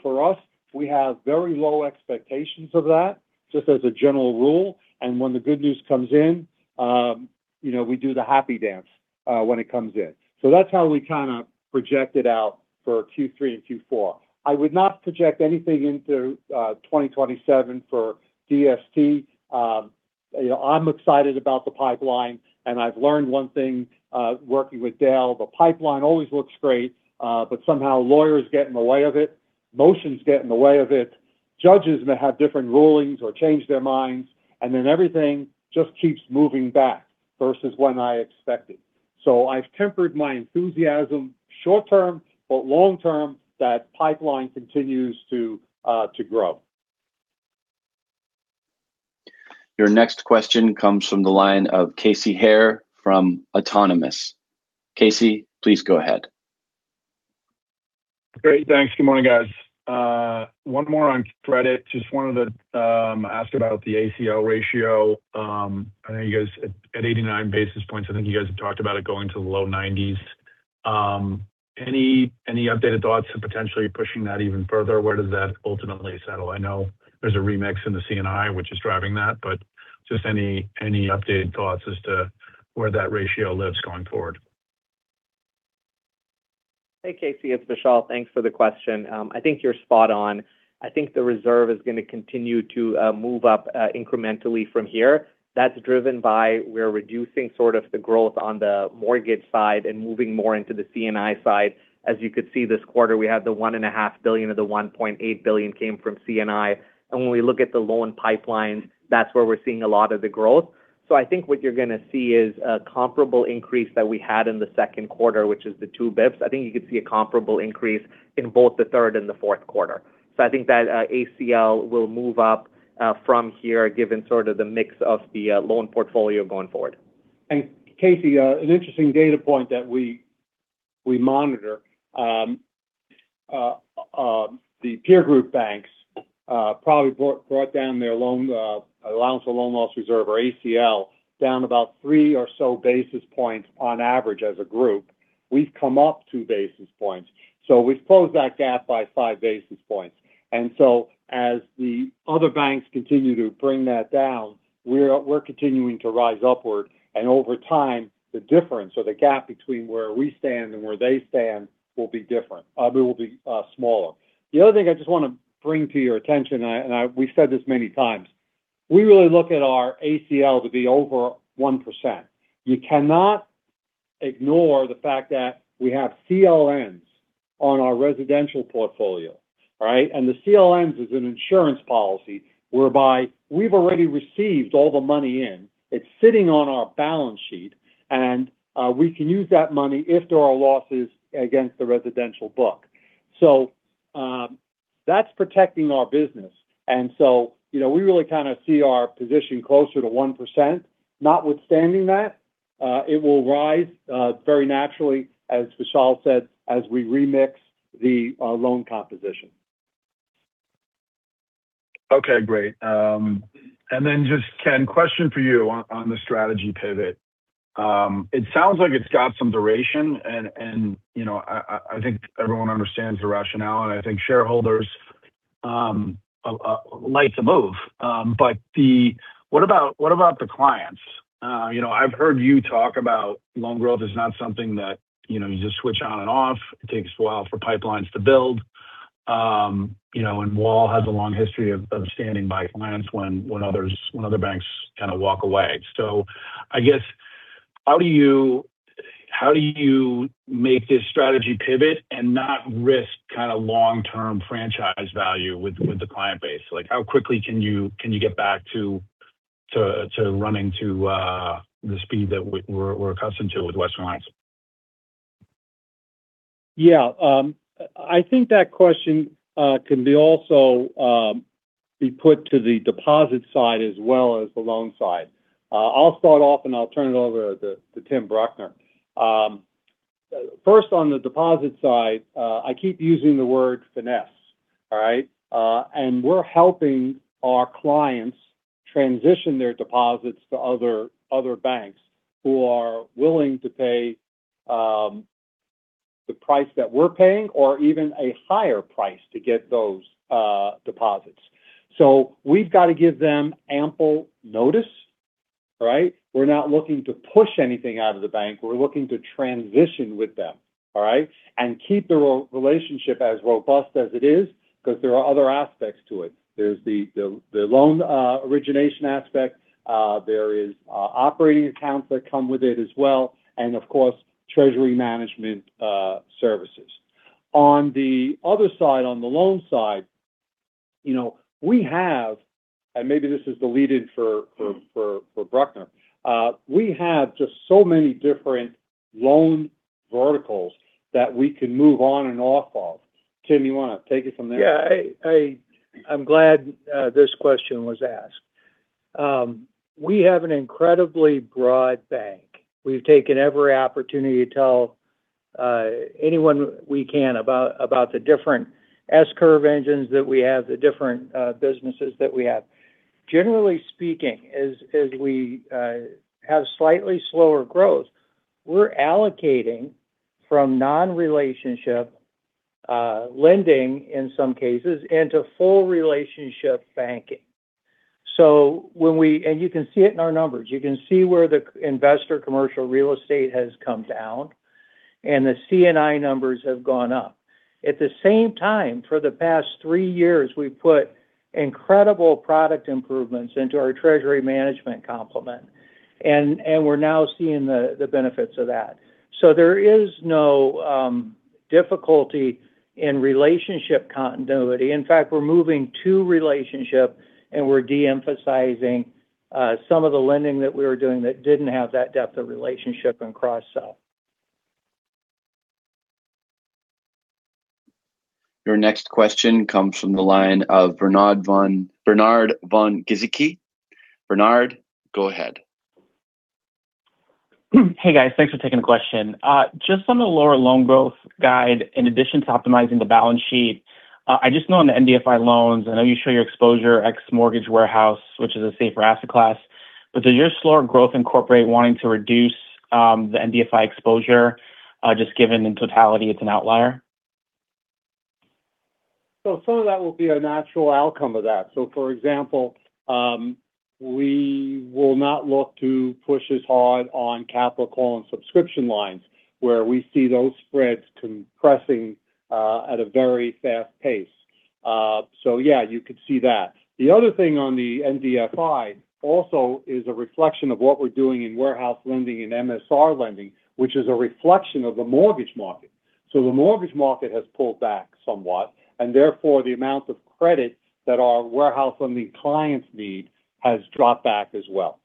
For us, we have very low expectations of that, just as a general rule. When the good news comes in, we do the happy dance when it comes in. That's how we kind of project it out for Q3 and Q4. I would not project anything into 2027 for DST. I'm excited about the pipeline, and I've learned one thing working with Dale. The pipeline always looks great, somehow lawyers get in the way of it. Motions get in the way of it. Judges may have different rulings or change their minds, everything just keeps moving back versus when I expected. I've tempered my enthusiasm short term, long term, that pipeline continues to grow.
Your next question comes from the line of Casey Haire from Autonomous. Casey, please go ahead.
Great. Thanks. Good morning, guys. One more on credit. Just wanted to ask about the ACL ratio. I know you guys at 89 basis points, I think you guys have talked about it going to the low 90s. Any updated thoughts of potentially pushing that even further? Where does that ultimately settle? I know there's a remix in the C&I which is driving that, but just any updated thoughts as to where that ratio lives going forward?
Hey, Casey, it's Vishal. Thanks for the question. I think you're spot on. I think the reserve is going to continue to move up incrementally from here. That's driven by we're reducing the growth on the mortgage side and moving more into the C&I side. As you could see this quarter, we have the $1.5 billion of the $1.8 billion came from C&I. When we look at the loan pipeline, that's where we're seeing a lot of the growth. I think what you're going to see is a comparable increase that we had in the second quarter, which is the 2 basis points. I think you could see a comparable increase in both the third and the fourth quarter. I think that ACL will move up from here, given the mix of the loan portfolio going forward.
Casey, an interesting data point that we monitor. The peer group banks probably brought down their allowance for loan loss reserve, or ACL, down about 3 or so basis points on average as a group. We've come up 2 basis points. As the other banks continue to bring that down, we're continuing to rise upward. Over time, the difference or the gap between where we stand and where they stand will be different. It will be smaller. The other thing I just want to bring to your attention, and we've said this many times. We really look at our ACL to be over 1%. You cannot ignore the fact that we have CLNs on our residential portfolio. Right? CLNs is an insurance policy whereby we've already received all the money in, it's sitting on our balance sheet. We can use that money if there are losses against the residential book. That's protecting our business. We really kind of see our position closer to 1%. Notwithstanding that, it will rise very naturally, as Vishal said, as we remix the loan composition.
Okay, great. Just, Ken, question for you on the strategy pivot. It sounds like it's got some duration, and I think everyone understands the rationale, and I think shareholders like the move. What about the clients? I've heard you talk about loan growth is not something that you just switch on and off. It takes a while for pipelines to build. Western Alliance has a long history of standing by clients when other banks kind of walk away. I guess, how do you make this strategy pivot and not risk long-term franchise value with the client base? How quickly can you get back to running to the speed that we're accustomed to with Western Alliance?
Yeah. I think that question can also be put to the deposit side as well as the loan side. I'll start off, and I'll turn it over to Tim Bruckner. First, on the deposit side, I keep using the word finesse. All right? We're helping our clients transition their deposits to other banks who are willing to pay the price that we're paying or even a higher price to get those deposits. We've got to give them ample notice. Right? We're not looking to push anything out of the bank. We're looking to transition with them. All right? Keep the relationship as robust as it is because there are other aspects to it. There's the loan origination aspect. There is operating accounts that come with it as well. Of course, treasury management services. On the other side, on the loan side, maybe this is the lead-in for Bruckner. We have just so many different loan verticals that we can move on and off of. Tim, you want to take it from there?
Yeah. I'm glad this question was asked. We have an incredibly broad bank. We've taken every opportunity to tell anyone we can about the different S-curve engines that we have, the different businesses that we have. Generally speaking, as we have slightly slower growth, we're allocating from non-relationship lending, in some cases, into full relationship banking. You can see it in our numbers. You can see where the investor commercial real estate has come down, and the C&I numbers have gone up. At the same time, for the past three years, we've put incredible product improvements into our treasury management complement. We're now seeing the benefits of that. There is no difficulty in relationship continuity. In fact, we're moving to relationship, and we're de-emphasizing some of the lending that we were doing that didn't have that depth of relationship and cross-sell.
Your next question comes from the line of Bernard von Gizycki. Bernard, go ahead.
Hey, guys. Thanks for taking the question. Just on the lower loan growth guide, in addition to optimizing the balance sheet, I just know on the MDI loans, I know you show your exposure ex mortgage warehouse, which is a safer asset class. Does your slower growth incorporate wanting to reduce the MDI exposure, just given in totality it's an outlier?
Some of that will be a natural outcome of that. For example, we will not look to push as hard on capital call and subscription lines where we see those spreads compressing at a very fast pace. Yeah, you could see that. The other thing on the MDI also is a reflection of what we're doing in warehouse lending and MSR lending, which is a reflection of the mortgage market. The mortgage market has pulled back somewhat, and therefore, the amount of credit that our warehouse lending clients need has dropped back as well.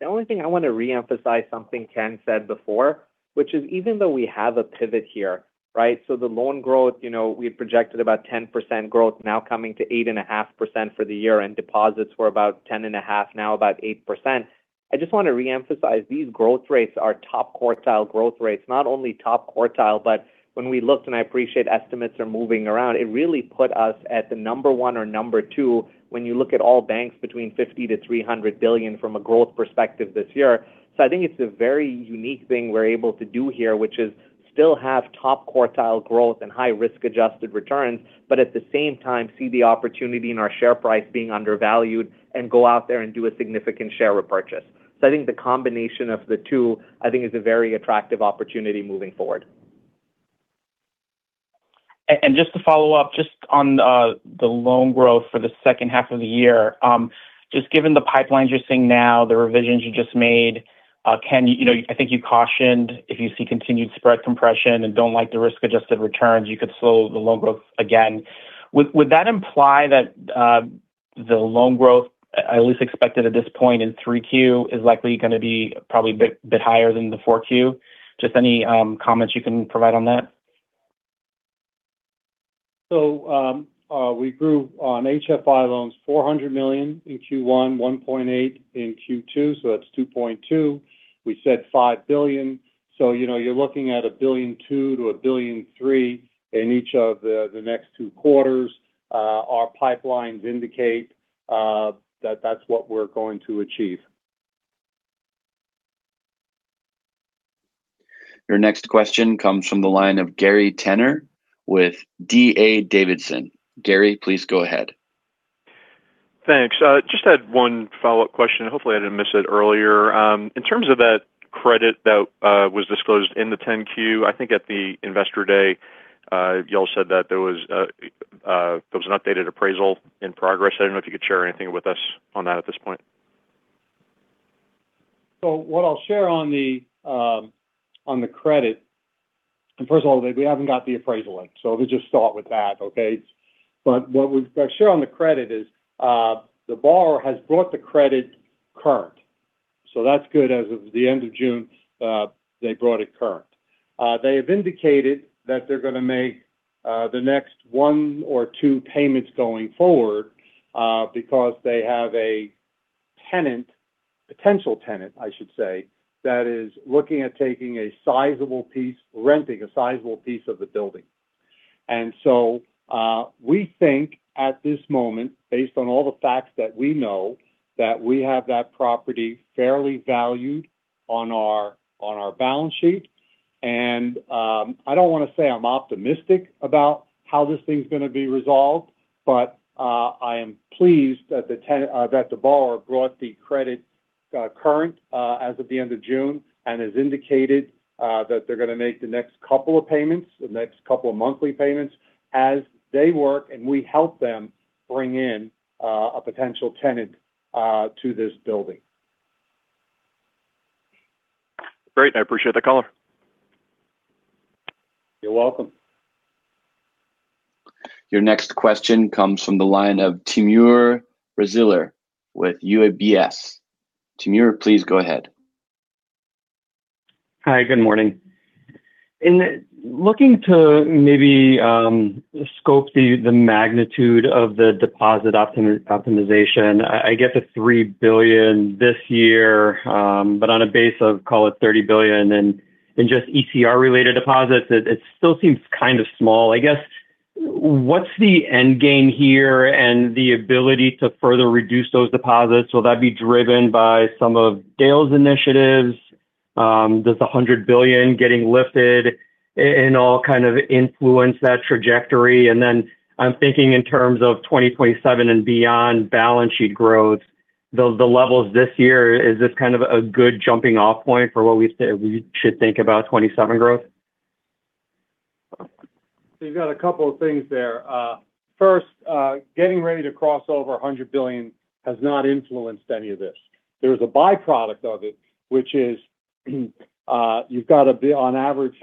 The only thing I want to reemphasize something Ken said before, which is even though we have a pivot here, right? The loan growth we had projected about 10% growth now coming to 8.5% for the year, and deposits were about 10.5%, now about 8%. I just want to reemphasize, these growth rates are top quartile growth rates. Not only top quartile, but when we looked, and I appreciate estimates are moving around, it really put us at the number one or number two when you look at all banks between $50 billion-$300 billion from a growth perspective this year. I think it's a very unique thing we're able to do here, which is still have top quartile growth and high risk-adjusted return. At the same time see the opportunity in our share price being undervalued and go out there and do a significant share repurchase. I think the combination of the two, I think is a very attractive opportunity moving forward.
Just to follow up just on the loan growth for the second half of the year. Just given the pipelines you're seeing now, the revisions you just made. Ken, I think you cautioned if you see continued spread compression and don't like the risk-adjusted returns, you could slow the loan growth again. Would that imply that the loan growth, at least expected at this point in 3Q, is likely going to be probably a bit higher than the 4Q? Just any comments you can provide on that?
We grew on HFI loans $400 million in Q1, $1.8 billion in Q2, so that's $2.2 billion. We said $5 billion. You're looking at $1.2 billion-$1.3 billion in each of the next two quarters. Our pipelines indicate that that's what we're going to achieve.
Your next question comes from the line of Gary Tenner with D.A. Davidson. Gary, please go ahead.
Thanks. Just had one follow-up question. Hopefully, I didn't miss it earlier. In terms of that credit that was disclosed in the 10-Q, I think at the Investor Day, you all said that there was an updated appraisal in progress. I don't know if you could share anything with us on that at this point.
What I'll share on the credit, first of all, we haven't got the appraisal in. Let me just start with that, okay? What we share on the credit is the borrower has brought the credit current. That's good as of the end of June, they brought it current. They have indicated that they're going to make the next one or two payments going forward because they have a tenant, potential tenant, I should say, that is looking at taking a sizable piece, renting a sizable piece of the building. We think at this moment, based on all the facts that we know, that we have that property fairly valued on our balance sheet. I don't want to say I'm optimistic about how this thing's going to be resolved, but I am pleased that the borrower brought the credit current as of the end of June and has indicated that they're going to make the next couple of payments, the next couple of monthly payments as they work, and we help them bring in a potential tenant to this building.
Great, I appreciate the color.
You're welcome.
Your next question comes from the line of Timur Braziler with UBS. Timur, please go ahead.
Hi, good morning. In looking to maybe scope the magnitude of the deposit optimization. I get the $3 billion this year, but on a base of, call it $30 billion in just ECR-related deposits, it still seems kind of small. I guess, what's the end game here and the ability to further reduce those deposits? Will that be driven by some of Dale's initiatives? Does the $100 billion getting lifted in all kind of influence that trajectory? I'm thinking in terms of 2027 and beyond balance sheet growth, the levels this year, is this kind of a good jumping-off point for what we should think about 2027 growth?
You've got a couple of things there. First, getting ready to cross over $100 billion has not influenced any of this. There is a byproduct of it, which is you've got to be on average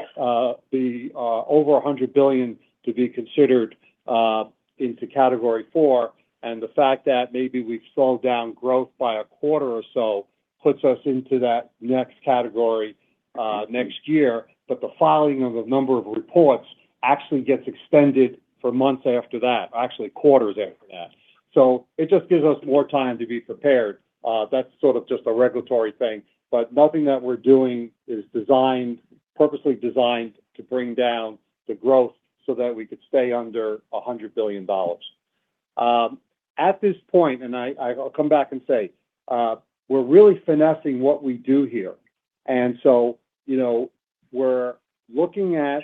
be over $100 billion to be considered into Category IV. The fact that maybe we've slowed down growth by a quarter or so puts us into that next category next year. The filing of a number of reports actually gets extended for months after that, actually quarters after that. It just gives us more time to be prepared. That's sort of just a regulatory thing. Nothing that we're doing is purposely designed to bring down the growth so that we could stay under $100 billion. At this point, I'll come back and say, we're really finessing what we do here. We're looking at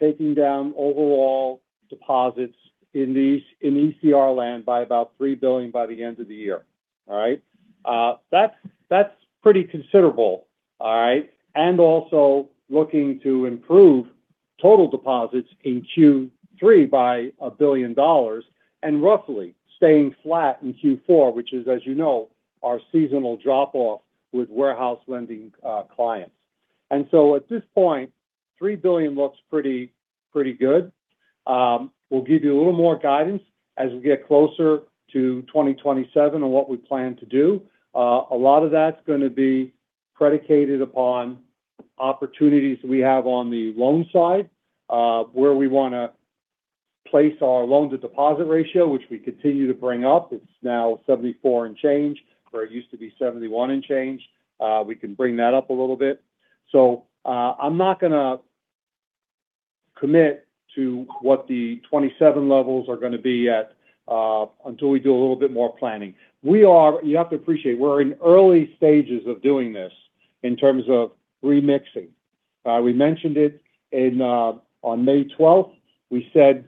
taking down overall deposits in ECR land by about $3 billion by the end of the year. All right? That's pretty considerable. All right? Also looking to improve total deposits in Q3 by $1 billion, and roughly staying flat in Q4, which is, as you know, our seasonal drop-off with warehouse lending clients. At this point, $3 billion looks pretty good. We'll give you a little more guidance as we get closer to 2027 on what we plan to do. A lot of that's going to be predicated upon opportunities we have on the loan side where we want to place our loan-to-deposit ratio, which we continue to bring up. It's now 74 and change, where it used to be 71 and change. We can bring that up a little bit. I'm not going to commit to what the 2027 levels are going to be at until we do a little bit more planning. You have to appreciate, we're in early stages of doing this in terms of remixing. We mentioned it on May 12th. We said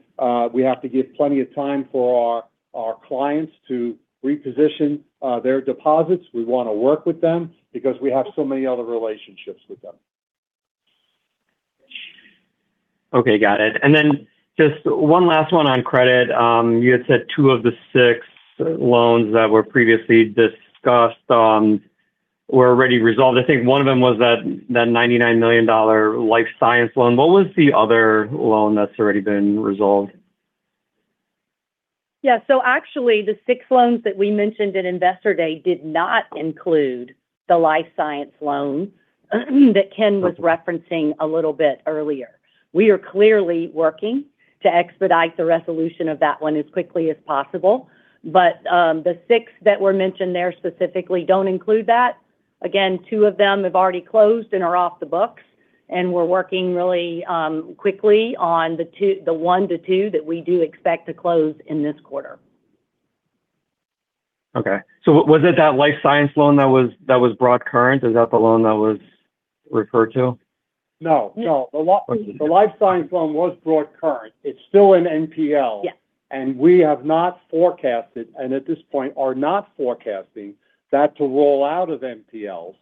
we have to give plenty of time for our clients to reposition their deposits. We want to work with them because we have so many other relationships with them.
Okay, got it. Then just one last one on credit. You had said two of the six loans that were previously discussed were already resolved. I think one of them was that $99 million life science loan. What was the other loan that's already been resolved?
Yeah. Actually, the six loans that we mentioned at Investor Day did not include the life science loan that Ken was referencing a little bit earlier. We are clearly working to expedite the resolution of that one as quickly as possible. The six that were mentioned there specifically don't include that. Again, two of them have already closed and are off the books, and we're working really quickly on the one to two that we do expect to close in this quarter.
Okay. Was it that life science loan that was brought current? Is that the loan that was referred to?
No. No. The life science loan was brought current. It is still an NPL. We have not forecasted, and at this point, are not forecasting that to roll out of NPLs.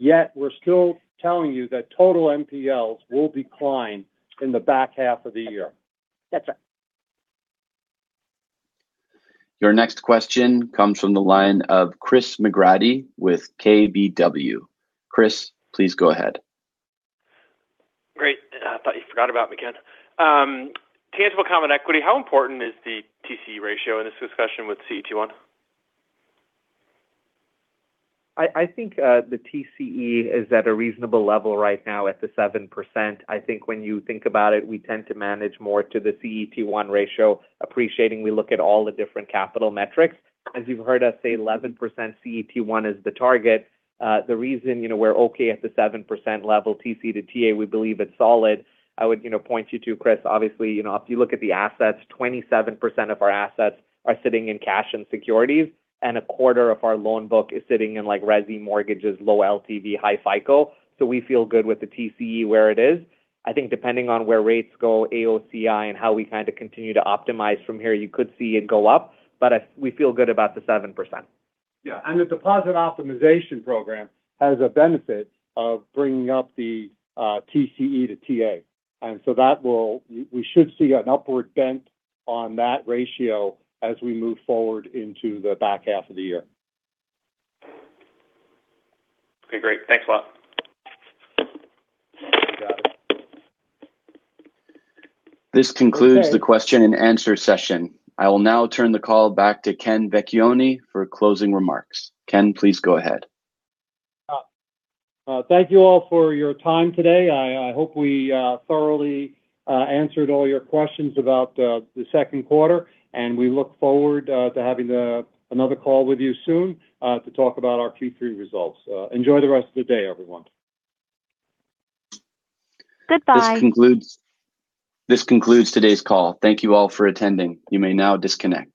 We are still telling you that total NPLs will decline in the back half of the year.
That's right.
Your next question comes from the line of Chris McGratty with KBW. Chris, please go ahead.
Great. I thought you forgot about me, Ken. Tangible common equity, how important is the TCE ratio in this discussion with CET1?
I think the TCE is at a reasonable level right now at the 7%. I think when you think about it, we tend to manage more to the CET1 ratio, appreciating we look at all the different capital metrics. As you've heard us say, 11% CET1 is the target. The reason we're okay at the 7% level, TCE to TA, we believe it's solid. I would point you to, Chris, obviously, if you look at the assets, 27% of our assets are sitting in cash and securities, and a quarter of our loan book is sitting in resi mortgages, low LTV, high cycle. We feel good with the TCE where it is. I think depending on where rates go, AOCI, and how we kind of continue to optimize from here, you could see it go up. We feel good about the 7%.
The deposit optimization program has a benefit of bringing up the TCE to TA. We should see an upward bent on that ratio as we move forward into the back half of the year.
Okay, great. Thanks a lot.
You got it.
This concludes the question and answer session. I will now turn the call back to Ken Vecchione for closing remarks. Ken, please go ahead.
Thank you all for your time today. I hope we thoroughly answered all your questions about the second quarter, and we look forward to having another call with you soon to talk about our Q3 results. Enjoy the rest of the day, everyone.
This concludes today's call. Thank you all for attending. You may now disconnect.